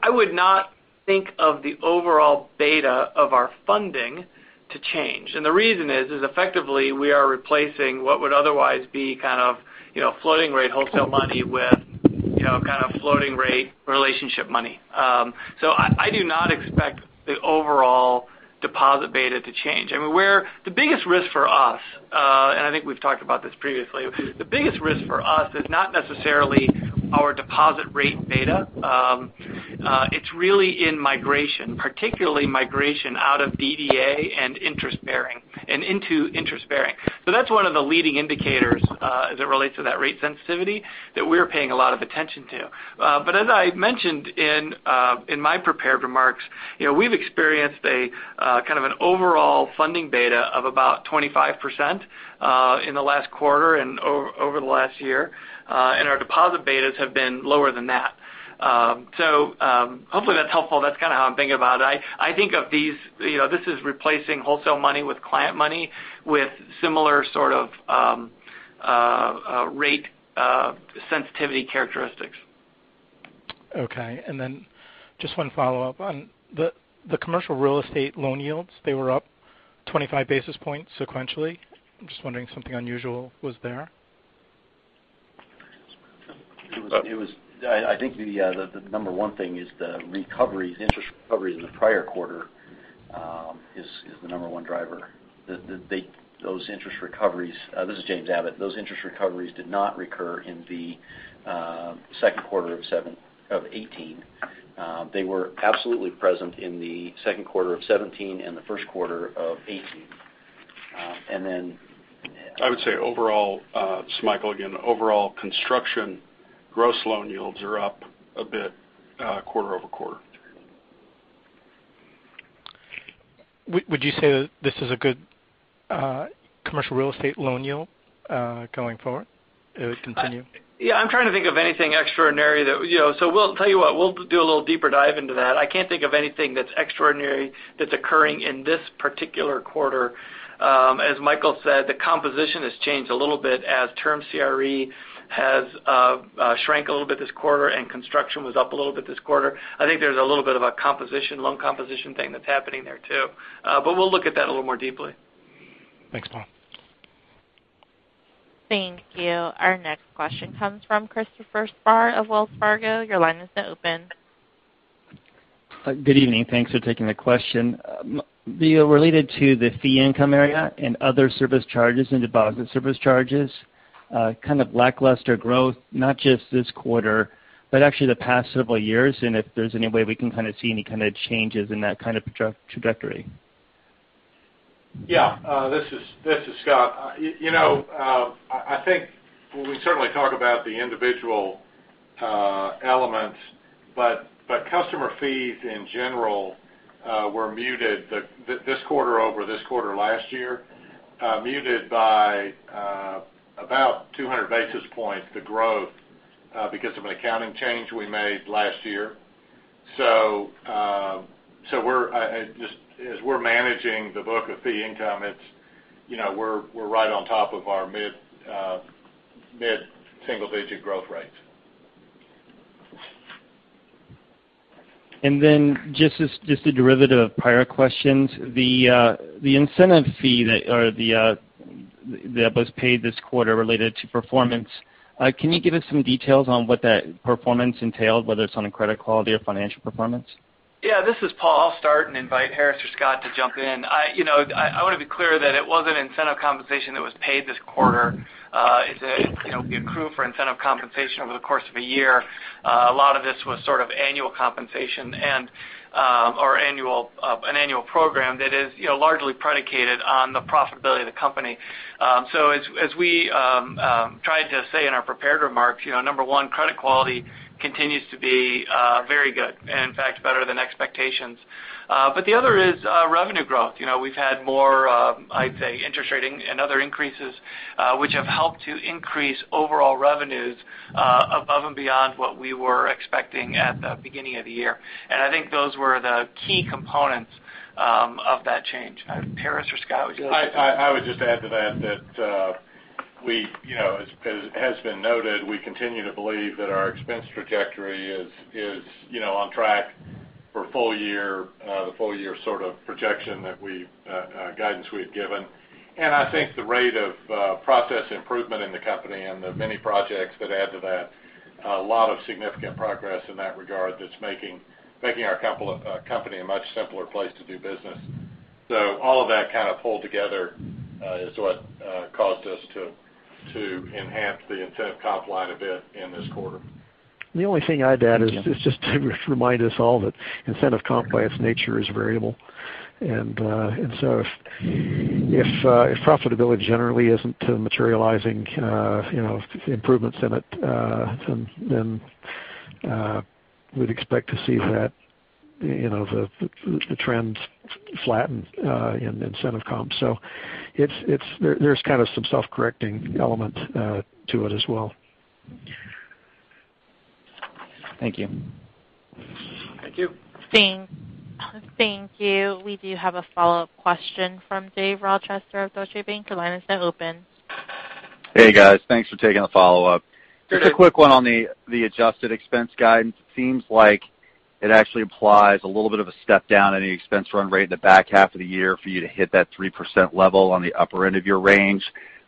would not think of the overall beta of our funding to change. The reason is effectively we are replacing what would otherwise be kind of floating rate wholesale money with kind of floating rate relationship money. I do not expect the overall deposit beta to change. I mean, the biggest risk for us. I think we've talked about this previously. The biggest risk for us is not necessarily our deposit rate beta. It's really in migration, particularly migration out of DDA and into interest-bearing. That's one of the leading indicators as it relates to that rate sensitivity that we're paying a lot of attention to. As I mentioned in my prepared remarks, we've experienced a kind of an overall funding beta of about 25% in the last quarter and over the last year. Our deposit betas have been lower than that. Hopefully that's helpful. That's kind of how I'm thinking about it. I think of these, this is replacing wholesale money with client money with similar sort of rate sensitivity characteristics. Okay, just one follow-up on the commercial real estate loan yields, they were up 25 basis points sequentially. I'm just wondering if something unusual was there. It was. I think the number one thing is the interest recoveries in the prior quarter is the number one driver. This is James Abbott. Those interest recoveries did not recur in the second quarter of 2018. They were absolutely present in the second quarter of 2017 and the first quarter of 2018. I would say overall, this is Michael again. Overall construction gross loan yields are up a bit quarter-over-quarter. Would you say that this is a good commercial real estate loan yield going forward? It would continue? We'll tell you what, we'll do a little deeper dive into that. I can't think of anything that's extraordinary that's occurring in this particular quarter. As Michael said, the composition has changed a little bit as term CRE has shrank a little bit this quarter, and construction was up a little bit this quarter. I think there's a little bit of a composition, loan composition thing that's happening there too. We'll look at that a little more deeply. Thanks, Paul. Thank you. Our next question comes from Christopher Spahr of Wells Fargo. Your line is now open. Good evening. Thanks for taking the question. Related to the fee income area and other service charges and deposit service charges, kind of lackluster growth, not just this quarter, but actually the past several years, and if there's any way we can see any kind of changes in that kind of trajectory. This is Scott. I think we certainly talk about the individual elements, customer fees in general were muted this quarter over this quarter last year, muted by about 200 basis points the growth because of an accounting change we made last year. As we're managing the book of fee income, we're right on top of our mid-single-digit growth rates. Just a derivative of prior questions, the incentive fee that was paid this quarter related to performance, can you give us some details on what that performance entailed, whether it's on a credit quality or financial performance? This is Paul. I'll start and invite Harris or Scott to jump in. I want to be clear that it wasn't incentive compensation that was paid this quarter. We accrue for incentive compensation over the course of a year. A lot of this was sort of annual compensation or an annual program that is largely predicated on the profitability of the company. As we tried to say in our prepared remarks, number one, credit quality continues to be very good, and in fact, better than expectations. The other is revenue growth. We've had more, I'd say, interest rating and other increases, which have helped to increase overall revenues above and beyond what we were expecting at the beginning of the year. I think those were the key components of that change. Harris or Scott, would you like to? I would just add to that, as has been noted, we continue to believe that our expense trajectory is on track for the full year sort of projection guidance we had given. I think the rate of process improvement in the company and the many projects that add to that, a lot of significant progress in that regard that's making our company a much simpler place to do business. All of that kind of pulled together is what caused us to enhance the incentive comp line a bit in this quarter. The only thing I'd add is just to remind us all that incentive comp by its nature is variable. If profitability generally isn't materializing improvements in it, then we'd expect to see the trends flatten in incentive comp. There's kind of some self-correcting element to it as well. Thank you. Thank you. Thank you. We do have a follow-up question from Dave Rochester of Deutsche Bank. Your line is now open. Hey, guys. Thanks for taking the follow-up. Just a quick one on the adjusted expense guidance. It seems like it actually implies a little bit of a step down any expense run rate in the back half of the year for you to hit that 3% level on the upper end of your range.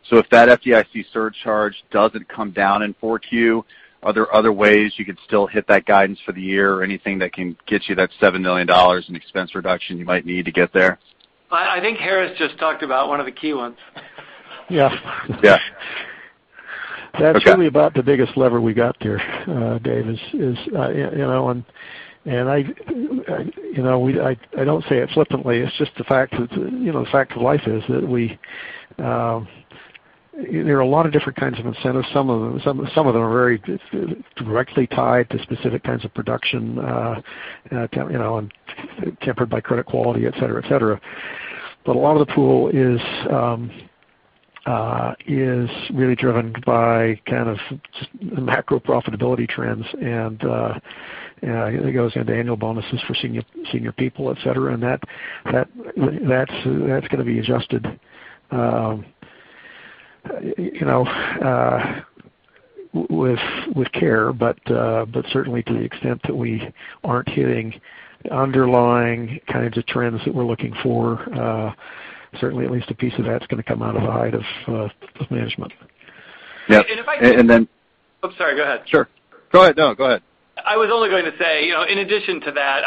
If that FDIC surcharge doesn't come down in 4Q, are there other ways you could still hit that guidance for the year or anything that can get you that $7 million in expense reduction you might need to get there? I think Harris just talked about one of the key ones. Yeah. Yeah. That's really about the biggest lever we got there, Dave. I don't say it flippantly, it's just the fact of life is that there are a lot of different kinds of incentives. Some of them are very directly tied to specific kinds of production, tempered by credit quality, et cetera. A lot of the pool is really driven by macro profitability trends. I think it goes into annual bonuses for senior people, et cetera, and that's going to be adjusted with care. Certainly to the extent that we aren't hitting underlying kinds of trends that we're looking for, certainly at least a piece of that's going to come out of the hide of management. Yeah. Oops, sorry, go ahead. Sure. Go ahead. No, go ahead. I was only going to say, in addition to that,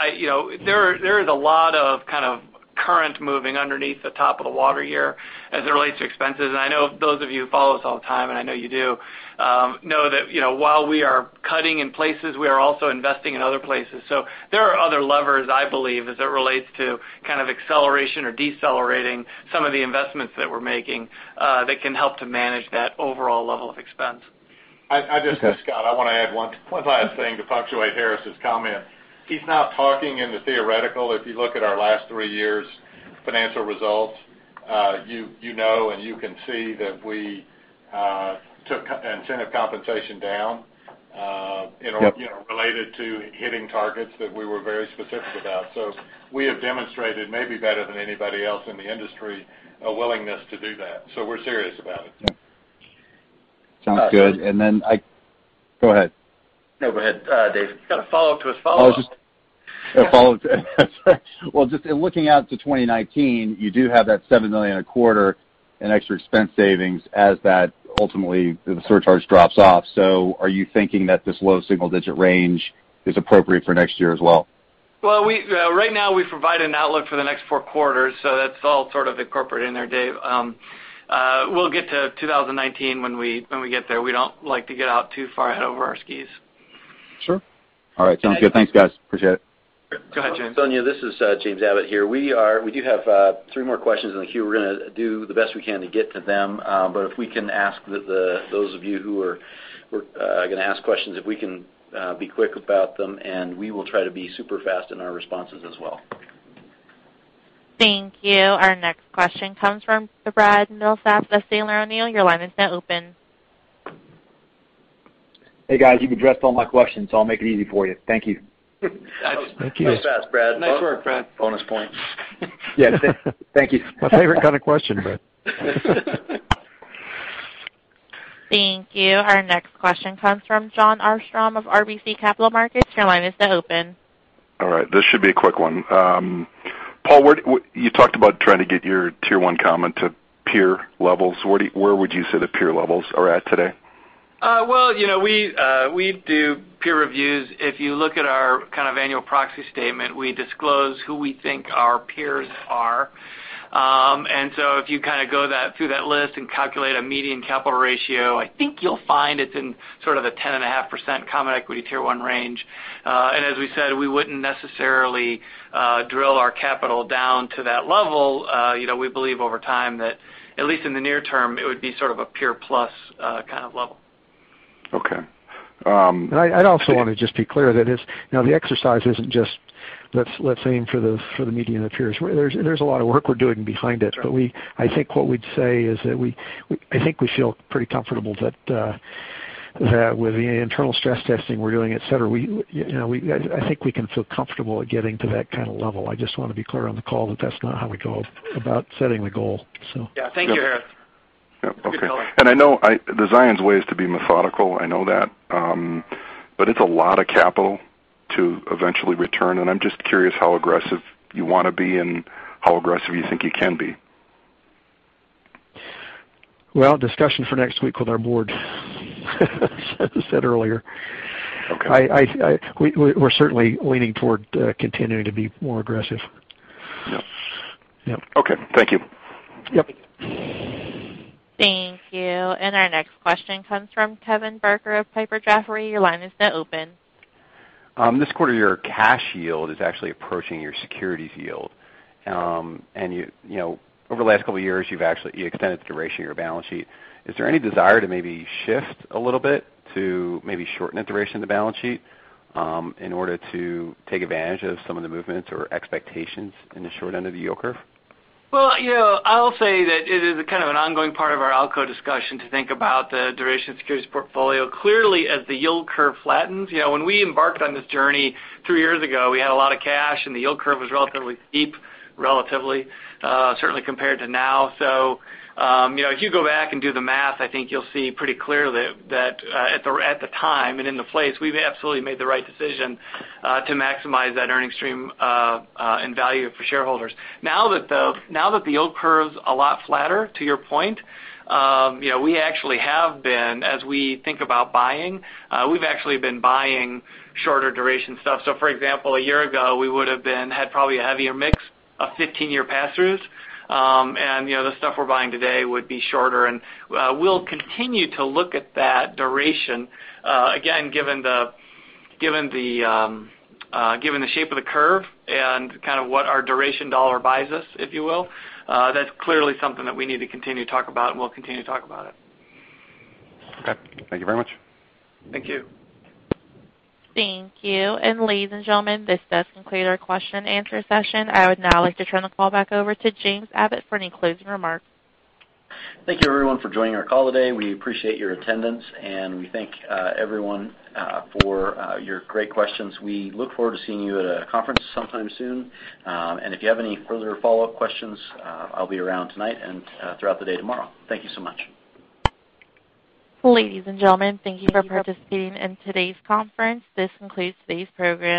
there is a lot of current moving underneath the top of the water here as it relates to expenses. I know those of you who follow us all the time, and I know you do, know that while we are cutting in places, we are also investing in other places. There are other levers, I believe, as it relates to acceleration or decelerating some of the investments that we're making that can help to manage that overall level of expense. Scott, I want to add one last thing to punctuate Harris's comment. He's not talking in the theoretical. If you look at our last three years' financial results, you know and you can see that we took incentive compensation down- Yep related to hitting targets that we were very specific about. We have demonstrated, maybe better than anybody else in the industry, a willingness to do that. We are serious about it. Sounds good. Go ahead. No, go ahead, Dave. You got a follow-up to a follow-up. A follow to That's right. Just in looking out to 2019, you do have that $7 million a quarter in extra expense savings as that ultimately the surcharge drops off. Are you thinking that this low single-digit range is appropriate for next year as well? Well, right now we provide an outlook for the next four quarters, so that's all sort of incorporated in there, Dave. We'll get to 2019 when we get there. We don't like to get out too far ahead over our skis. Sure. All right. Sounds good. Thanks, guys. Appreciate it. Go ahead, James. Sonia, this is James Abbott here. We do have three more questions in the queue. We're going to do the best we can to get to them. If we can ask those of you who are going to ask questions, if we can be quick about them, and we will try to be super fast in our responses as well. Thank you. Our next question comes from Brad Milsaps of Sandler O'Neill. Your line is now open. Hey, guys. You've addressed all my questions, so I'll make it easy for you. Thank you. Thank you. Nice pass, Brad. Nice work, Brad. Bonus points. Yeah. Thank you. My favorite kind of question, Brad. Thank you. Our next question comes from Jon Arfstrom of RBC Capital Markets. Your line is now open. All right. This should be a quick one. Paul, you talked about trying to get your Tier 1 common to peer levels. Where would you say the peer levels are at today? Well, we do peer reviews. If you look at our annual proxy statement, we disclose who we think our peers are. If you go through that list and calculate a median capital ratio, I think you'll find it's in sort of a 10.5% common equity Tier 1 range. As we said, we wouldn't necessarily drill our capital down to that level. We believe over time that, at least in the near term, it would be sort of a peer plus kind of level. Okay. I'd also want to just be clear that the exercise isn't just, let's aim for the median of peers. There's a lot of work we're doing behind it. Sure. I think what we'd say is that I think we feel pretty comfortable that with the internal stress testing we're doing, et cetera, I think we can feel comfortable at getting to that kind of level. I just want to be clear on the call that that's not how we go about setting the goal. Thank you, Harris. I know the Zions way is to be methodical. I know that. It's a lot of capital to eventually return, and I'm just curious how aggressive you want to be and how aggressive you think you can be? Discussion for next week with our board as I said earlier. Okay. We're certainly leaning toward continuing to be more aggressive. Yep. Yep. Okay. Thank you. Yep. Thank you. Our next question comes from Kevin Barker of Piper Jaffray. Your line is now open. This quarter, your cash yield is actually approaching your securities yield. Over the last couple of years, you extended the duration of your balance sheet. Is there any desire to maybe shift a little bit to maybe shorten the duration of the balance sheet in order to take advantage of some of the movements or expectations in the short end of the yield curve? Well, I'll say that it is a kind of an ongoing part of our ALCO discussion to think about the duration of the securities portfolio. Clearly, as the yield curve flattens, when we embarked on this journey 3 years ago, we had a lot of cash, and the yield curve was relatively steep, relatively, certainly compared to now. If you go back and do the math, I think you'll see pretty clearly that at the time and in the place, we've absolutely made the right decision to maximize that earning stream and value for shareholders. Now that the yield curve's a lot flatter, to your point, we actually have been, as we think about buying, we've actually been buying shorter duration stuff. For example, a year ago, we would have had probably a heavier mix of 15-year pass-throughs. The stuff we're buying today would be shorter. We'll continue to look at that duration. Again, given the shape of the curve and what our duration dollar buys us, if you will, that's clearly something that we need to continue to talk about, and we'll continue to talk about it. Okay. Thank you very much. Thank you. Thank you. Ladies and gentlemen, this does conclude our question and answer session. I would now like to turn the call back over to James Abbott for any closing remarks. Thank you, everyone, for joining our call today. We appreciate your attendance, and we thank everyone for your great questions. We look forward to seeing you at a conference sometime soon. If you have any further follow-up questions, I'll be around tonight and throughout the day tomorrow. Thank you so much. Ladies and gentlemen, thank you for participating in today's conference. This concludes today's program.